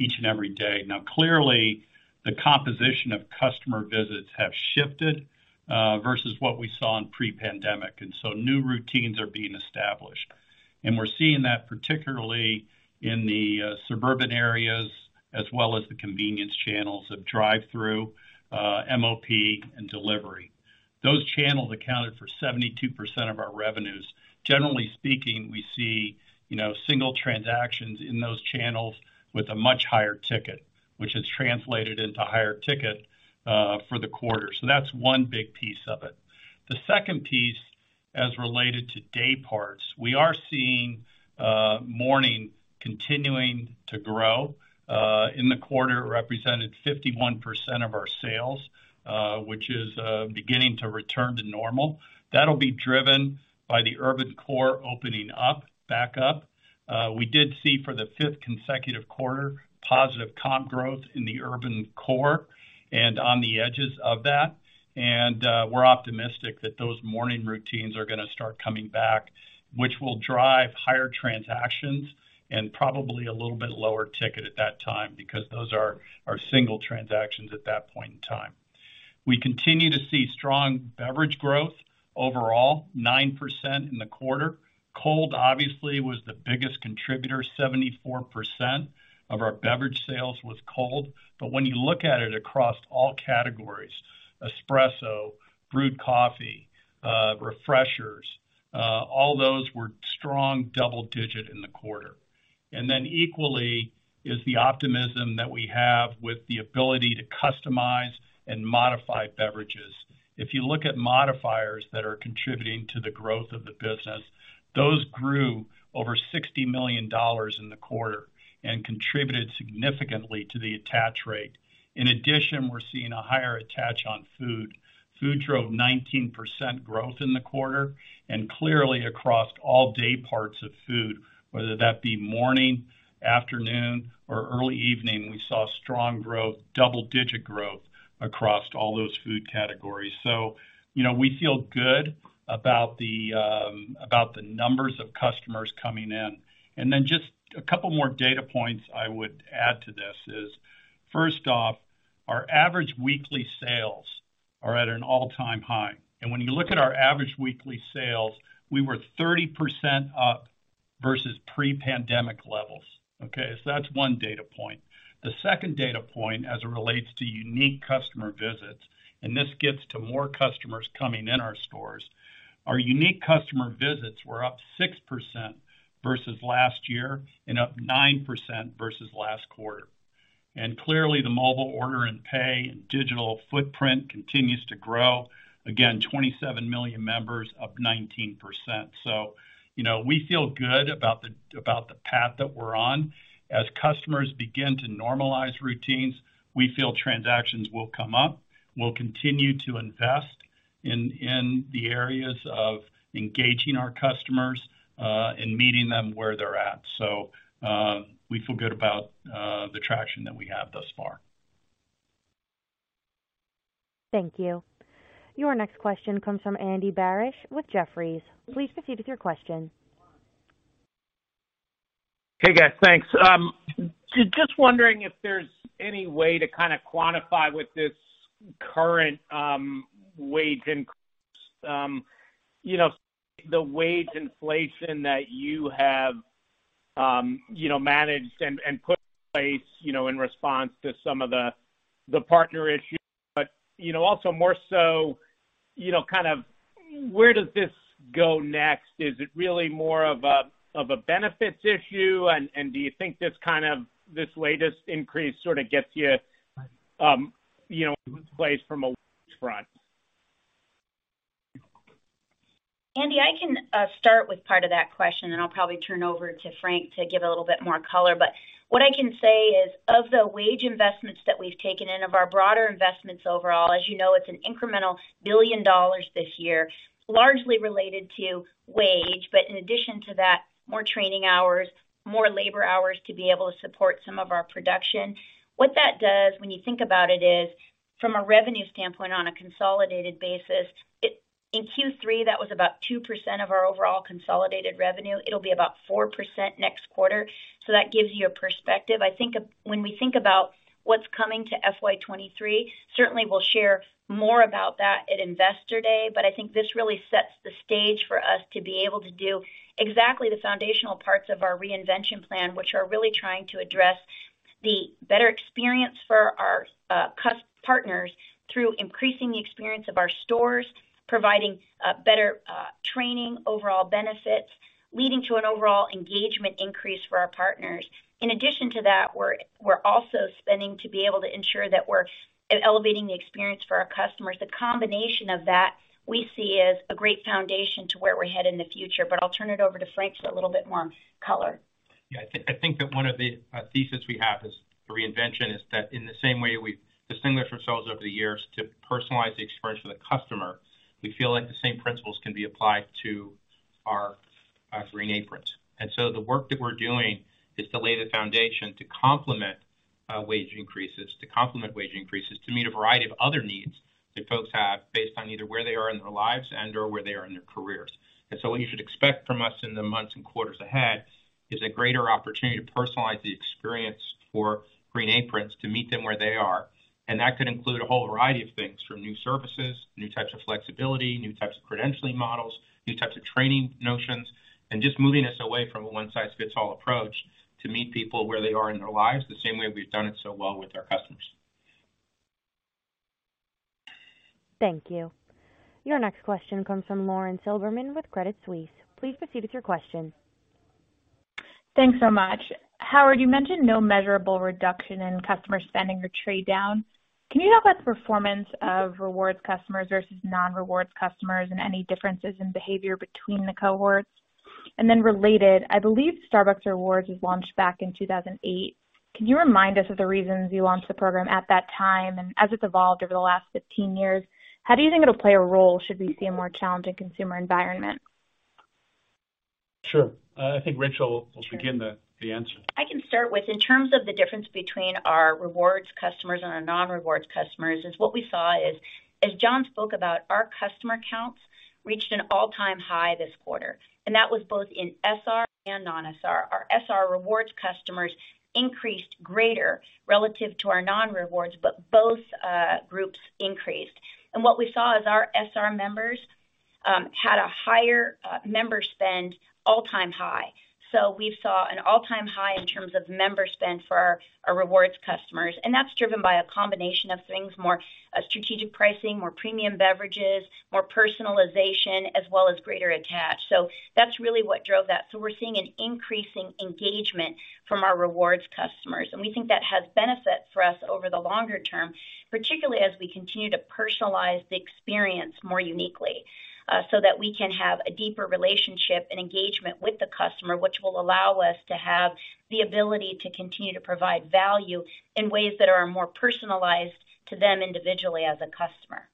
each and every day. Now clearly, the composition of customer visits have shifted versus what we saw in pre-pandemic, so new routines are being established. We're seeing that particularly in the suburban areas as well as the convenience channels of drive-through, MOP and delivery. Those channels accounted for 72% of our revenues. Generally speaking, we see, you know, single transactions in those channels with a much higher ticket, which has translated into higher ticket for the quarter. That's one big piece of it. The second piece, as related to dayparts, we are seeing morning continuing to grow in the quarter, represented 51% of our sales, which is beginning to return to normal. That'll be driven by the urban core opening up back up. We did see for the fifth consecutive quarter, positive comp growth in the urban core and on the edges of that. We're optimistic that those morning routines are gonna start coming back, which will drive higher transactions and probably a little bit lower ticket at that time because those are single transactions at that point in time. We continue to see strong beverage growth overall, 9% in the quarter. Cold obviously was the biggest contributor, 74% of our beverage sales was cold. When you look at it across all categories, espresso, brewed coffee, refreshers, all those were strong double-digit in the quarter. Equally is the optimism that we have with the ability to customize and modify beverages. If you look at modifiers that are contributing to the growth of the business, those grew over $60 million in the quarter and contributed significantly to the attach rate. In addition, we're seeing a higher attach on food. Food drove 19% growth in the quarter, and clearly across all dayparts of food, whether that be morning, afternoon, or early evening, we saw strong growth, double-digit growth across all those food categories. You know, we feel good about the numbers of customers coming in. Then just a couple more data points I would add to this is, first off, our average weekly sales are at an all-time high. When you look at our average weekly sales, we were 30% up versus pre-pandemic levels. Okay. That's one data point. The second data point as it relates to unique customer visits, and this gets to more customers coming in our stores. Our unique customer visits were up 6% versus last year and up 9% versus last quarter. Clearly, the Mobile Order & Pay and digital footprint continues to grow. Again, 27 million members up 19%. You know, we feel good about the, about the path that we're on. As customers begin to normalize routines, we feel transactions will come up. We'll continue to invest in the areas of engaging our customers and meeting them where they're at. We feel good about the traction that we have thus far. Thank you. Your next question comes from Andy Barish with Jefferies. Please proceed with your question. Hey, guys, thanks. Just wondering if there's any way to kind of quantify with this current wage increase, you know, the wage inflation that you have, you know, managed and put in place, you know, in response to some of the partner issues. You know, also more so, you know, kind of where does this go next? Is it really more of a benefits issue? And do you think this kind of, this latest increase sort of gets you know, in place from a wage front? Andy, I can start with part of that question, and I'll probably turn over to Frank to give a little bit more color. What I can say is, of the wage investments that we've taken and of our broader investments overall, as you know, it's an incremental $1 billion this year, largely related to wage, but in addition to that, more training hours, more labor hours to be able to support some of our production. What that does when you think about it is from a revenue standpoint, on a consolidated basis, it in Q3, that was about 2% of our overall consolidated revenue. It'll be about 4% next quarter. That gives you a perspective. I think when we think about what's coming to FY 2023, certainly we'll share more about that at Investor Day. I think this really sets the stage for us to be able to do exactly the foundational parts of our reinvention plan, which are really trying to address the better experience for our partners through increasing the experience of our stores, providing better training, overall benefits, leading to an overall engagement increase for our partners. In addition to that, we're also spending to be able to ensure that we're elevating the experience for our customers. The combination of that, we see as a great foundation to where we're headed in the future. I'll turn it over to Frank for a little bit more color. Yeah, I think that one of the thesis we have is the reinvention is that in the same way we've distinguished ourselves over the years to personalize the experience for the customer, we feel like the same principles can be applied to our Green Aprons. The work that we're doing is to lay the foundation to complement wage increases to meet a variety of other needs that folks have based on either where they are in their lives and/or where they are in their careers. What you should expect from us in the months and quarters ahead is a greater opportunity to personalize the experience for Green Aprons to meet them where they are. That could include a whole variety of things, from new services, new types of flexibility, new types of credentialing models, new types of training notions, and just moving us away from a one-size-fits-all approach to meet people where they are in their lives, the same way we've done it so well with our customers. Thank you. Your next question comes from Lauren Silberman with Credit Suisse. Please proceed with your question. Thanks so much. Howard, you mentioned no measurable reduction in customer spending or trade down. Can you talk about the performance of rewards customers versus non-rewards customers and any differences in behavior between the cohorts? Related, I believe Starbucks Rewards was launched back in 2008. Can you remind us of the reasons you launched the program at that time and as it's evolved over the last 15 years, how do you think it'll play a role should we see a more challenging consumer environment? Sure. I think Rachel will begin the answer. I can start with, in terms of the difference between our rewards customers and our non-rewards customers, is what we saw is, as John spoke about, our customer counts reached an all-time high this quarter, and that was both in SR and non-SR. Our SR rewards customers increased greater relative to our non-rewards, but both groups increased. What we saw is our SR members had a higher member spend all-time high. We've saw an all-time high in terms of member spend for our rewards customers, and that's driven by a combination of things, more strategic pricing, more premium beverages, more personalization, as well as greater attach. That's really what drove that. We're seeing an increasing engagement from our rewards customers, and we think that has benefit for us over the longer term, particularly as we continue to personalize the experience more uniquely, so that we can have a deeper relationship and engagement with the customer, which will allow us to have the ability to continue to provide value in ways that are more personalized to them individually as a customer.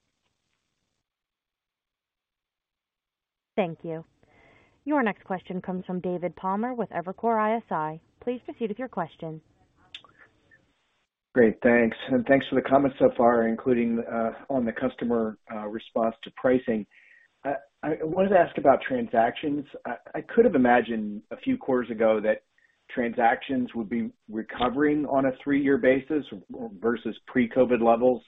Thank you. Your next question comes from David Palmer with Evercore ISI. Please proceed with your question. Great, thanks. Thanks for the comments so far, including, on the customer, response to pricing. I wanted to ask about transactions. I could have imagined a few quarters ago that transactions would be recovering on a three-year basis versus pre-COVID levels,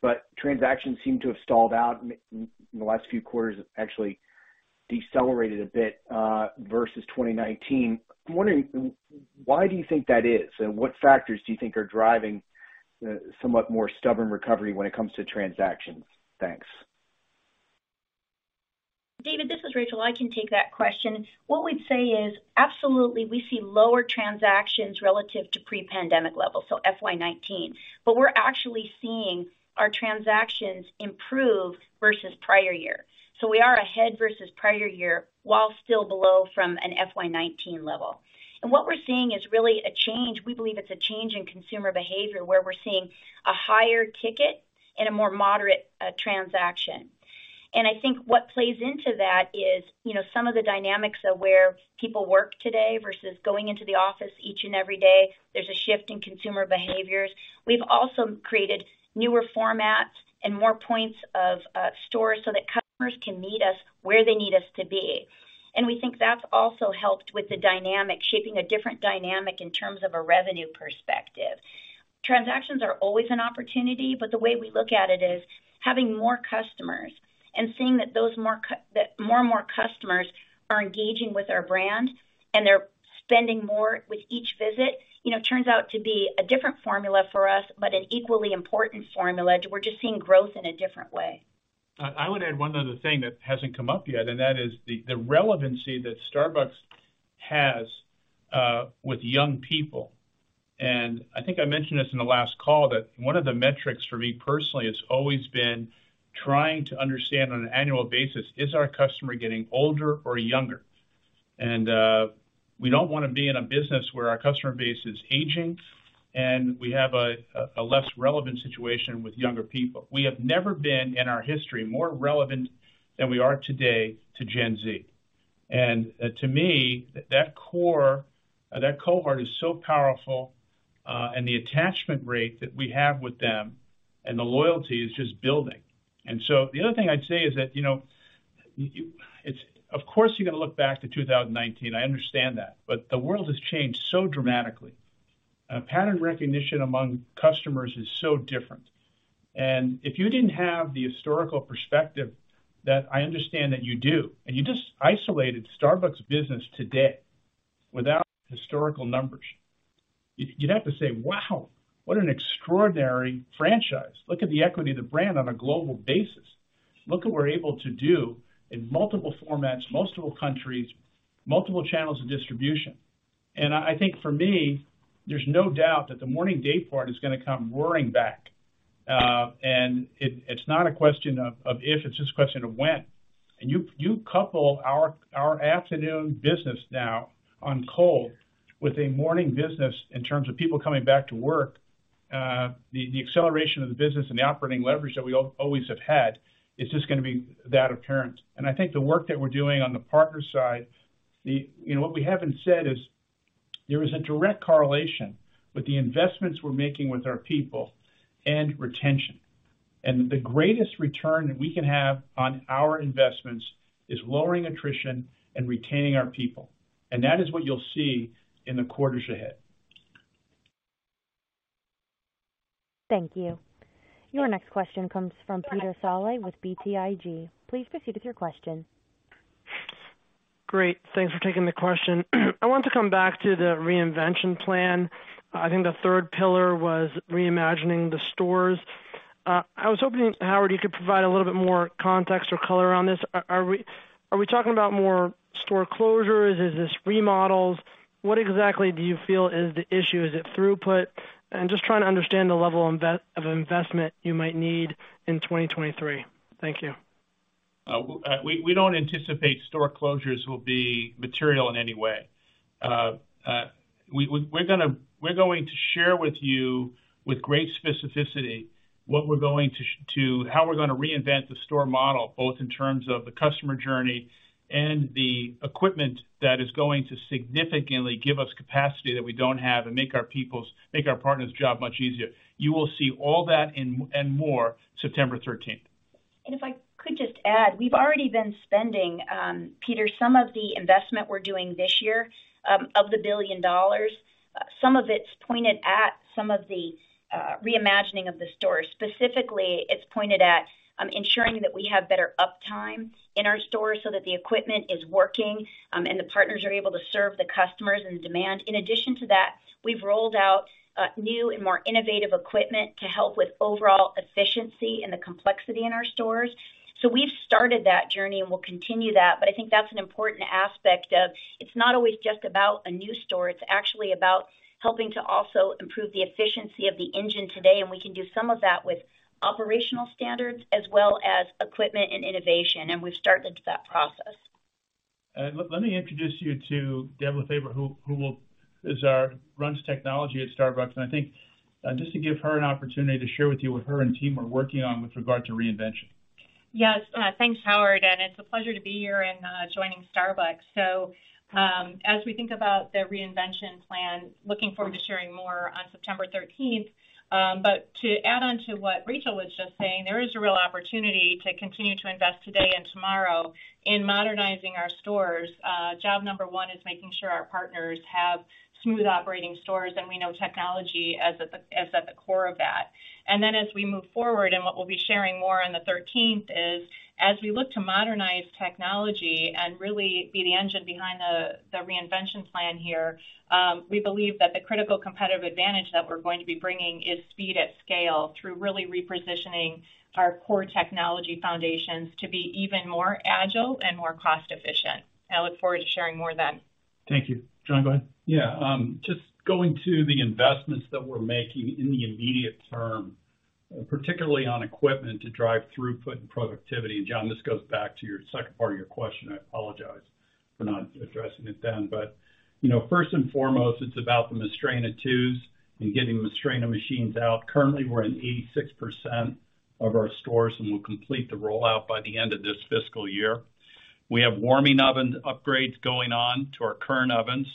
but transactions seem to have stalled out in the last few quarters, actually decelerated a bit, versus 2019. I'm wondering, why do you think that is, and what factors do you think are driving the somewhat more stubborn recovery when it comes to transactions? Thanks. David, this is Rachel. I can take that question. What we'd say is absolutely, we see lower transactions relative to pre-pandemic levels, so FY 2019. We're actually seeing our transactions improve versus prior year. We are ahead versus prior year, while still below from an FY 2019 level. What we're seeing is really a change. We believe it's a change in consumer behavior, where we're seeing a higher ticket and a more moderate transaction. I think what plays into that is, you know, some of the dynamics of where people work today versus going into the office each and every day. There's a shift in consumer behaviors. We've also created newer formats and more points of stores so that customers can meet us where they need us to be. We think that's also helped with the dynamic, shaping a different dynamic in terms of a revenue perspective. Transactions are always an opportunity, but the way we look at it is having more customers and seeing that more and more customers are engaging with our brand and they're spending more with each visit, you know, turns out to be a different formula for us, but an equally important formula too. We're just seeing growth in a different way. I want to add one other thing that hasn't come up yet, and that is the relevancy that Starbucks has with young people. I think I mentioned this in the last call that one of the metrics for me personally has always been trying to understand on an annual basis, is our customer getting older or younger? We don't want to be in a business where our customer base is aging, and we have a less relevant situation with younger people. We have never been, in our history, more relevant than we are today to Gen Z. To me, that cohort is so powerful, and the attachment rate that we have with them and the loyalty is just building. The other thing I'd say is that, you know, it's of course, you're going to look back to 2019. I understand that. But the world has changed so dramatically. Pattern recognition among customers is so different. If you didn't have the historical perspective that I understand that you do, and you just isolated Starbucks business today without historical numbers, you'd have to say, "Wow, what an extraordinary franchise. Look at the equity of the brand on a global basis. Look what we're able to do in multiple formats, multiple countries, multiple channels of distribution." I think for me, there's no doubt that the morning day part is gonna come roaring back. It's not a question of if, it's just a question of when. You couple our afternoon business now on cold with a morning business in terms of people coming back to work, the acceleration of the business and the operating leverage that we always have had is just gonna be that apparent. I think the work that we're doing on the partner side. You know, what we haven't said is there is a direct correlation with the investments we're making with our people and retention. The greatest return that we can have on our investments is lowering attrition and retaining our people. That is what you'll see in the quarters ahead. Thank you. Your next question comes from Peter Saleh with BTIG. Please proceed with your question. Great. Thanks for taking the question. I want to come back to the reinvention plan. I think the third pillar was reimagining the stores. I was hoping, Howard, you could provide a little bit more context or color on this. Are we talking about more store closures? Is this remodels? What exactly do you feel is the issue? Is it throughput? I'm just trying to understand the level of investment you might need in 2023. Thank you. We don't anticipate store closures will be material in any way. We're going to share with you with great specificity how we're going to reinvent the store model, both in terms of the customer journey and the equipment that is going to significantly give us capacity that we don't have and make our partners' job much easier. You will see all that and more September 13th. If I could just add, we've already been spending, Peter, some of the investment we're doing this year, of the $1 billion, some of it's pointed at some of the, reimagining of the store. Specifically, it's pointed at, ensuring that we have better uptime in our stores so that the equipment is working, and the partners are able to serve the customers and demand. In addition to that, we've rolled out, new and more innovative equipment to help with overall efficiency and the complexity in our stores. We've started that journey, and we'll continue that. I think that's an important aspect of, it's not always just about a new store, it's actually about helping to also improve the efficiency of the engine today, and we can do some of that with operational standards as well as equipment and innovation, and we've started that process. Let me introduce you to Deb Hall Lefevre, who runs technology at Starbucks. I think just to give her an opportunity to share with you what her and team are working on with regard to reinvention. Yes. Thanks, Howard, and it's a pleasure to be here and joining Starbucks. As we think about the reinvention plan, looking forward to sharing more on September 13th. To add on to what Rachel was just saying, there is a real opportunity to continue to invest today and tomorrow in modernizing our stores. Job number one is making sure our partners have smooth operating stores, and we know technology is at the core of that. As we move forward, and what we'll be sharing more on the 13th is, as we look to modernize technology and really be the engine behind the reinvention plan here, we believe that the critical competitive advantage that we're going to be bringing is speed at scale through really repositioning our core technology foundations to be even more agile and more cost efficient. I look forward to sharing more then. Thank you. John, go ahead. Yeah, just going to the investments that we're making in the immediate term, particularly on equipment to drive throughput and productivity. John, this goes back to your second part of your question. I apologize for not addressing it then. You know, first and foremost, it's about the Mastrena IIs and getting Mastrena machines out. Currently, we're in 86% of our stores, and we'll complete the rollout by the end of this fiscal year. We have warming oven upgrades going on to our current ovens.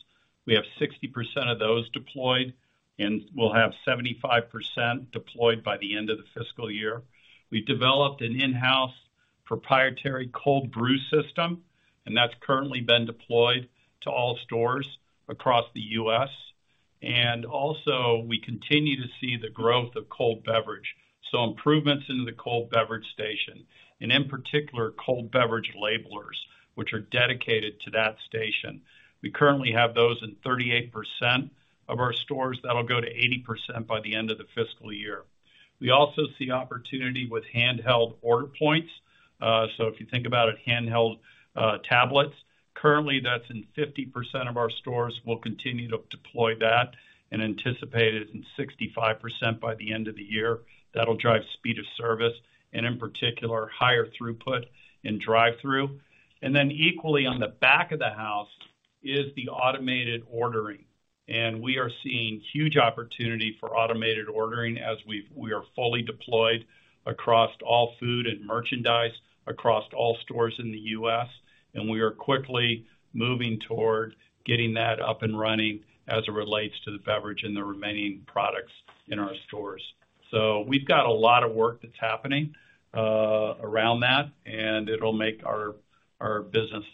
We have 60% of those deployed, and we'll have 75% deployed by the end of the fiscal year. We've developed an in-house proprietary cold brew system, and that's currently been deployed to all stores across the U.S. We continue to see the growth of cold beverage, so improvements in the cold beverage station, and in particular, cold beverage labelers, which are dedicated to that station. We currently have those in 38% of our stores. That'll go to 80% by the end of the fiscal year. We also see opportunity with handheld order points. So if you think about it, handheld tablets. Currently, that's in 50% of our stores. We'll continue to deploy that and anticipate it in 65% by the end of the year. That'll drive speed of service and, in particular, higher throughput in drive-through. Equally on the back of the house is the automated ordering. We are seeing huge opportunity for automated ordering as we are fully deployed across all food and merchandise, across all stores in the U.S., and we are quickly moving toward getting that up and running as it relates to the beverage and the remaining products in our stores. We've got a lot of work that's happening around that, and it'll make our business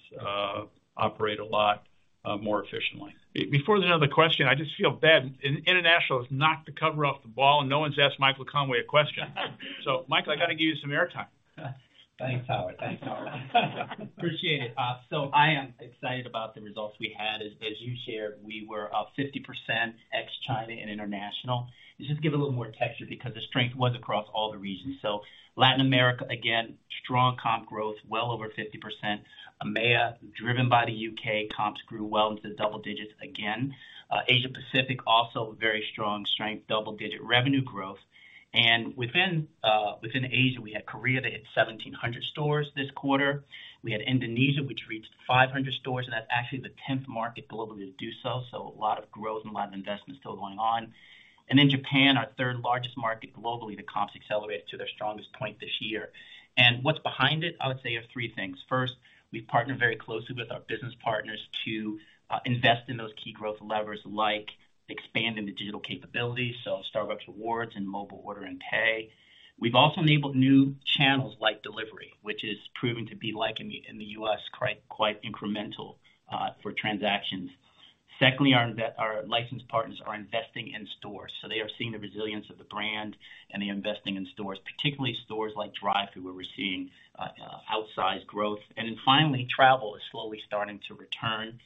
operate a lot more efficiently. Before another question, I just feel bad. International has knocked the cover off the ball, and no one's asked Michael Conway a question. Michael, I gotta give you some airtime. Thanks, Howard. Appreciate it. I am excited about the results we had. As you shared, we were up 50% ex China and International. To just give a little more texture because the strength was across all the regions. Latin America, again, strong comp growth, well over 50%. EMEA, driven by the U.K., comps grew well into the double digits again. Asia-Pacific also very strong strength, double-digit revenue growth. Within Asia, we had Korea. They hit 1,700 stores this quarter. We had Indonesia, which reached 500 stores, and that's actually the 10th market globally to do so. A lot of growth and a lot of investment still going on. In Japan, our third largest market globally, the comps accelerated to their strongest point this year. What's behind it, I would say, are three things. First, we partner very closely with our business partners to invest in those key growth levers like expanding the digital capabilities, so Starbucks Rewards and Mobile Order & Pay. We've also enabled new channels like delivery, which is proving to be like in the U.S., quite incremental for transactions. Secondly, our licensed partners are investing in stores, so they are seeing the resilience of the brand, and they're investing in stores, particularly stores like drive-through, where we're seeing outsized growth. Then finally, travel is slowly starting to return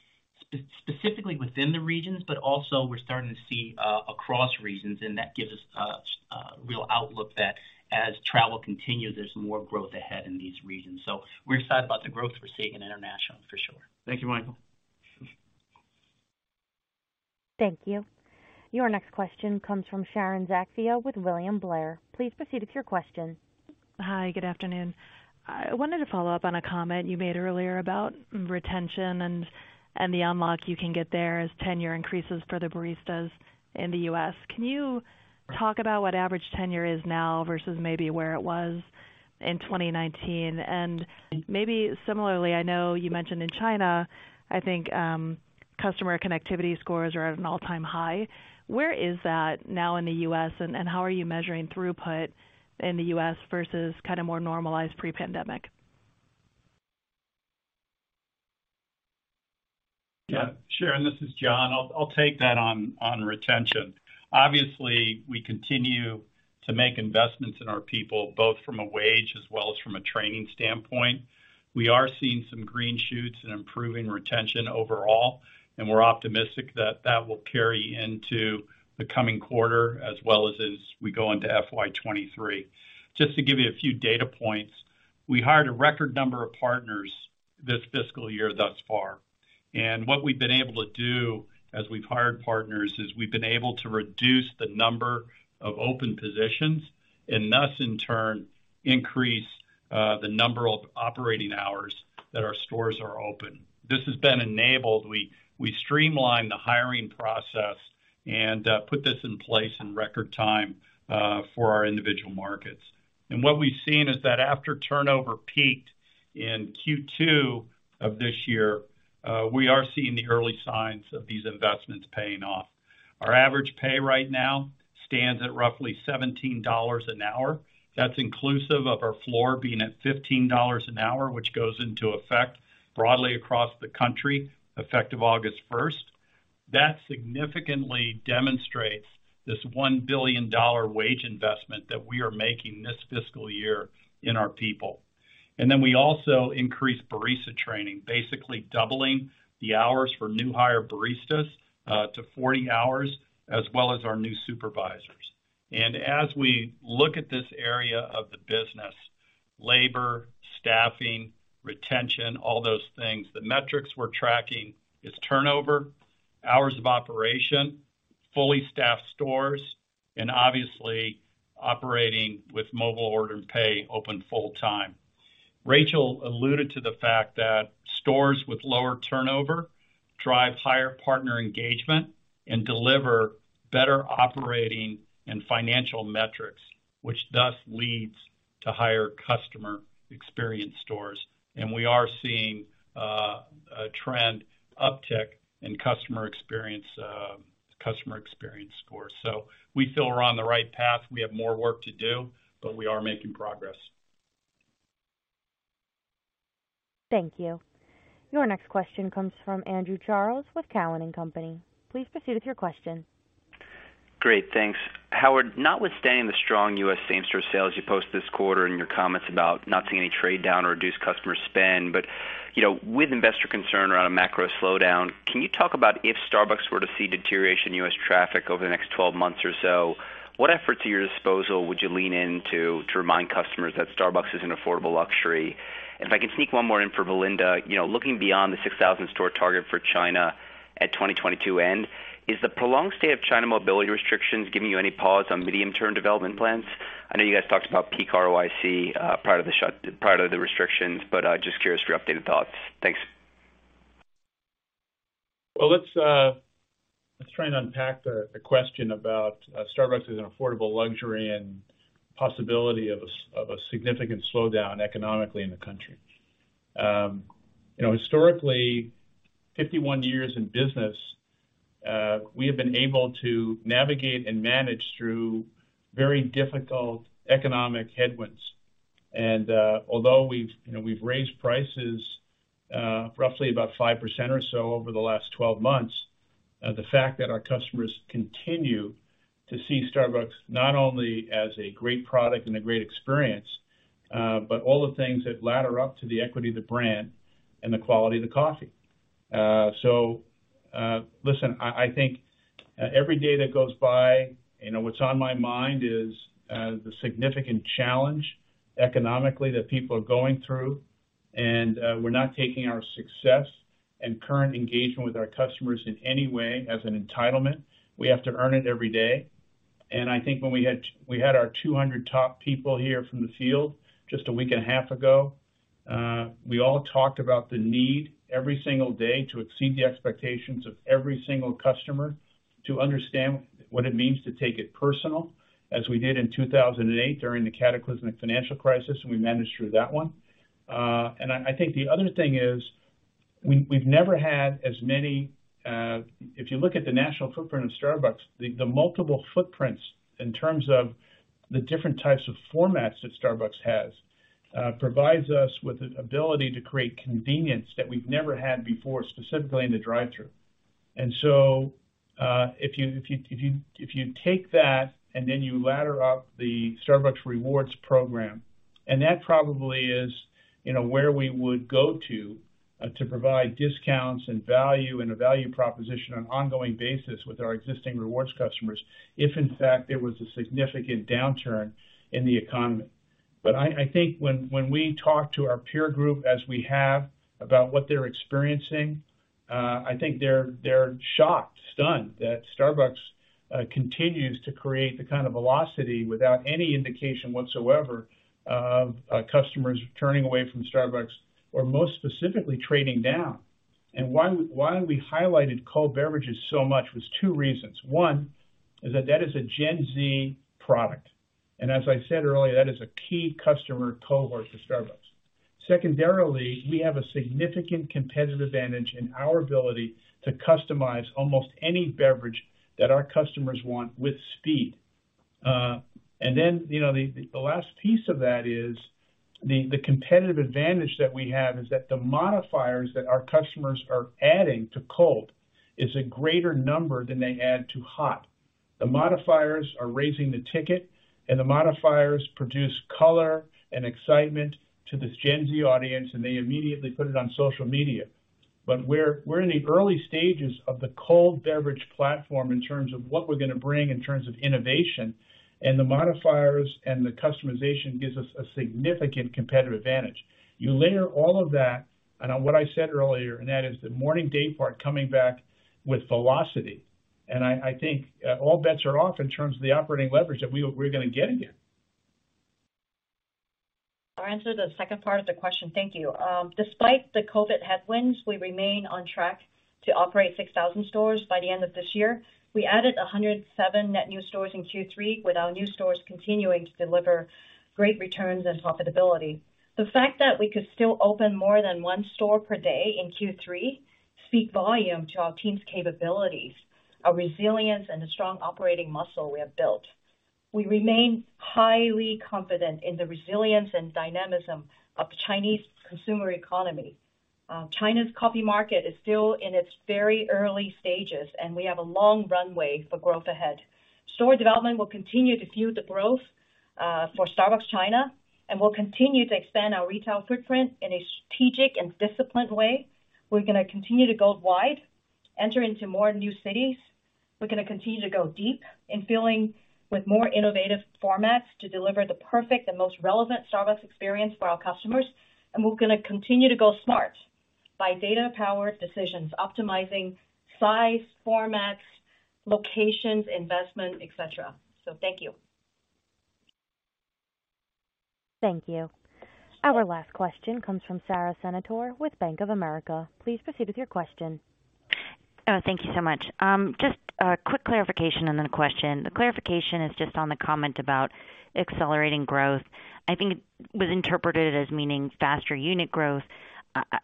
specifically within the regions, but also we're starting to see across regions, and that gives us real outlook that as travel continues, there's more growth ahead in these regions. We're excited about the growth we're seeing in International for sure. Thank you, Michael. Thank you. Your next question comes from Sharon Zackfia with William Blair. Please proceed with your question. Hi, good afternoon. I wanted to follow up on a comment you made earlier about retention and the unlock you can get there as tenure increases for the baristas in the U.S. Can you talk about what average tenure is now versus maybe where it was in 2019? Maybe similarly, I know you mentioned in China, I think, customer connectivity scores are at an all-time high. Where is that now in the U.S., and how are you measuring throughput in the U.S. versus kind of more normalized pre-pandemic? Yeah. Sharon, this is John. I'll take that on retention. Obviously, we continue to make investments in our people, both from a wage as well as from a training standpoint. We are seeing some green shoots and improving retention overall, and we're optimistic that that will carry into the coming quarter as well as we go into FY 2023. Just to give you a few data points, we hired a record number of partners this fiscal year thus far. What we've been able to do as we've hired partners is we've been able to reduce the number of open positions and thus, in turn, increase the number of operating hours that our stores are open. This has been enabled. We streamlined the hiring process and put this in place in record time for our individual markets. What we've seen is that after turnover peaked in Q2 of this year, we are seeing the early signs of these investments paying off. Our average pay right now stands at roughly $17 an hour. That's inclusive of our floor being at $15 an hour, which goes into effect broadly across the country, effective August 1st. That significantly demonstrates this $1 billion wage investment that we are making this fiscal year in our people. We also increased barista training, basically doubling the hours for new hire baristas to 40 hours, as well as our new supervisors. As we look at this area of the business, labor, staffing, retention, all those things, the metrics we're tracking is turnover, hours of operation, fully staffed stores, and obviously operating with Mobile Order & Pay open full-time. Rachel alluded to the fact that stores with lower turnover drive higher partner engagement and deliver better operating and financial metrics, which thus leads to higher customer experience stores. We are seeing a trend uptick in customer experience scores. We feel we're on the right path. We have more work to do, but we are making progress. Thank you. Your next question comes from Andrew Charles with Cowen and Company. Please proceed with your question. Great, thanks. Howard, notwithstanding the strong U.S. same-store sales you post this quarter and your comments about not seeing any trade down or reduced customer spend, you know, with investor concern around a macro slowdown, can you talk about if Starbucks were to see deterioration U.S. traffic over the next 12 months or so, what efforts at your disposal would you lean into to remind customers that Starbucks is an affordable luxury? If I can sneak one more in for Belinda, you know, looking beyond the 6,000 store target for China at 2022 end, is the prolonged state of China mobility restrictions giving you any pause on medium-term development plans? I know you guys talked about peak ROIC prior to the restrictions, but just curious for your updated thoughts. Thanks. Let's try and unpack the question about Starbucks as an affordable luxury and possibility of a significant slowdown economically in the country. You know, historically, 51 years in business, we have been able to navigate and manage through very difficult economic headwinds. Although we've, you know, raised prices roughly about 5% or so over the last 12 months, the fact that our customers continue to see Starbucks not only as a great product and a great experience, but all the things that ladder up to the equity of the brand and the quality of the coffee. Listen, I think every day that goes by, you know, what's on my mind is the significant challenge economically that people are going through. We're not taking our success and current engagement with our customers in any way as an entitlement. We have to earn it every day. I think when we had our 200 top people here from the field just a week and a half ago, we all talked about the need every single day to exceed the expectations of every single customer, to understand what it means to take it personal, as we did in 2008 during the cataclysmic financial crisis, and we managed through that one. I think the other thing is, we've never had as many. If you look at the national footprint of Starbucks, the multiple footprints in terms of the different types of formats that Starbucks has, provides us with an ability to create convenience that we've never had before, specifically in the drive-thru. If you take that and then you ladder up the Starbucks Rewards program, and that probably is, you know, where we would go to provide discounts and value and a value proposition on an ongoing basis with our existing rewards customers if in fact there was a significant downturn in the economy. I think when we talk to our peer group as we have about what they're experiencing, I think they're shocked, stunned that Starbucks continues to create the kind of velocity without any indication whatsoever of customers turning away from Starbucks or most specifically trading down. Why we highlighted cold beverages so much was two reasons. One is that that is a Gen Z product. As I said earlier, that is a key customer cohort for Starbucks. Secondarily, we have a significant competitive advantage in our ability to customize almost any beverage that our customers want with speed. You know, the last piece of that is the competitive advantage that we have is that the modifiers that our customers are adding to cold is a greater number than they add to hot. The modifiers are raising the ticket, and the modifiers produce color and excitement to this Gen Z audience, and they immediately put it on social media. We're in the early stages of the cold beverage platform in terms of what we're gonna bring in terms of innovation, and the modifiers and the customization gives us a significant competitive advantage. You layer all of that and on what I said earlier, and that is the morning day part coming back with velocity. I think all bets are off in terms of the operating leverage that we're gonna get again. I'll answer the second part of the question. Thank you. Despite the COVID headwinds, we remain on track to operate 6,000 stores by the end of this year. We added 107 net new stores in Q3, with our new stores continuing to deliver great returns and profitability. The fact that we could still open more than one store per day in Q3 speaks volumes to our team's capabilities, our resilience and the strong operating muscle we have built. We remain highly confident in the resilience and dynamism of Chinese consumer economy. China's coffee market is still in its very early stages, and we have a long runway for growth ahead. Store development will continue to fuel the growth for Starbucks China, and we'll continue to expand our retail footprint in a strategic and disciplined way. We're gonna continue to go wide, enter into more new cities. We're gonna continue to go deep in filling with more innovative formats to deliver the perfect and most relevant Starbucks experience for our customers. We're gonna continue to go smart by data-powered decisions, optimizing size, formats, locations, investment, et cetera. Thank you. Thank you. Our last question comes from Sara Senatore with Bank of America. Please proceed with your question. Oh, thank you so much. Just a quick clarification and then a question. The clarification is just on the comment about accelerating growth. I think it was interpreted as meaning faster unit growth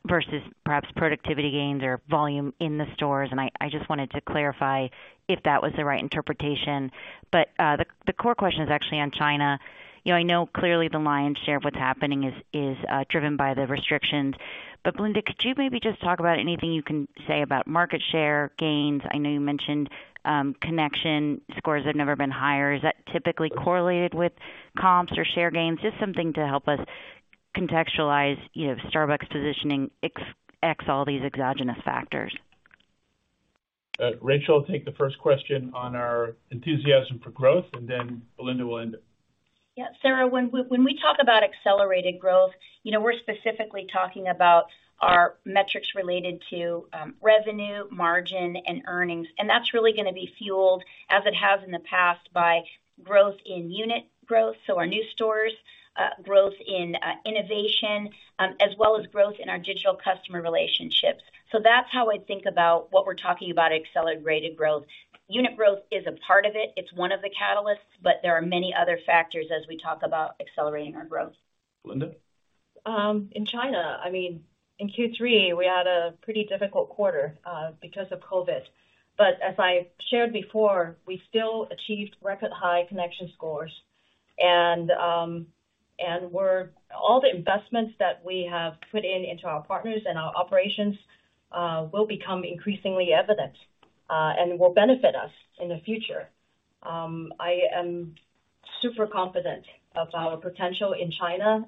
versus perhaps productivity gains or volume in the stores, and I just wanted to clarify if that was the right interpretation. The core question is actually on China. You know, I know clearly the lion's share of what's happening is driven by the restrictions. Belinda, could you maybe just talk about anything you can say about market share gains? I know you mentioned connection scores have never been higher. Is that typically correlated with comps or share gains? Just something to help us contextualize, you know, Starbucks positioning ex all these exogenous factors. Rachel, take the first question on our enthusiasm for growth, and then Belinda will end it. Yeah. Sara, when we talk about accelerated growth, you know, we're specifically talking about our metrics related to revenue, margin, and earnings. That's really gonna be fueled, as it has in the past, by growth in unit growth, so our new stores, growth in innovation, as well as growth in our digital customer relationships. That's how I think about what we're talking about accelerated growth. Unit growth is a part of it. It's one of the catalysts, but there are many other factors as we talk about accelerating our growth. Belinda? In China, I mean, in Q3, we had a pretty difficult quarter, because of COVID. As I shared before, we still achieved record high connection scores. All the investments that we have put in into our partners, and our operations will become increasingly evident and will benefit us in the future. I am super confident of our potential in China.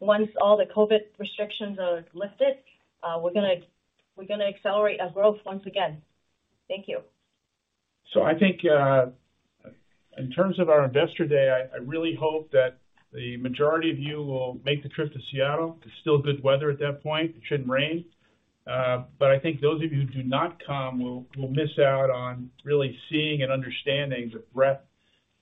Once all the COVID restrictions are lifted, we're gonna accelerate our growth once again. Thank you. I think in terms of our Investor Day, I really hope that the majority of you will make the trip to Seattle. There's still good weather at that point. It shouldn't rain. But I think those of you who do not come will miss out on really seeing and understanding the breadth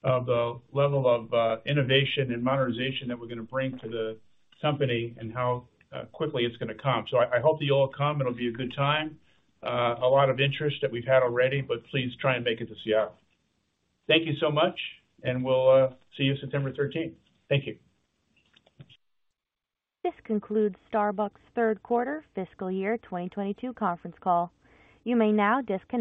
of the level of innovation and modernization that we're gonna bring to the company and how quickly it's gonna come. I hope that you all come. It'll be a good time. A lot of interest that we've had already, but please try and make it to Seattle. Thank you so much, and we'll see you September 13th. Thank you. This concludes Starbucks third quarter fiscal year 2022 conference call. You may now disconnect.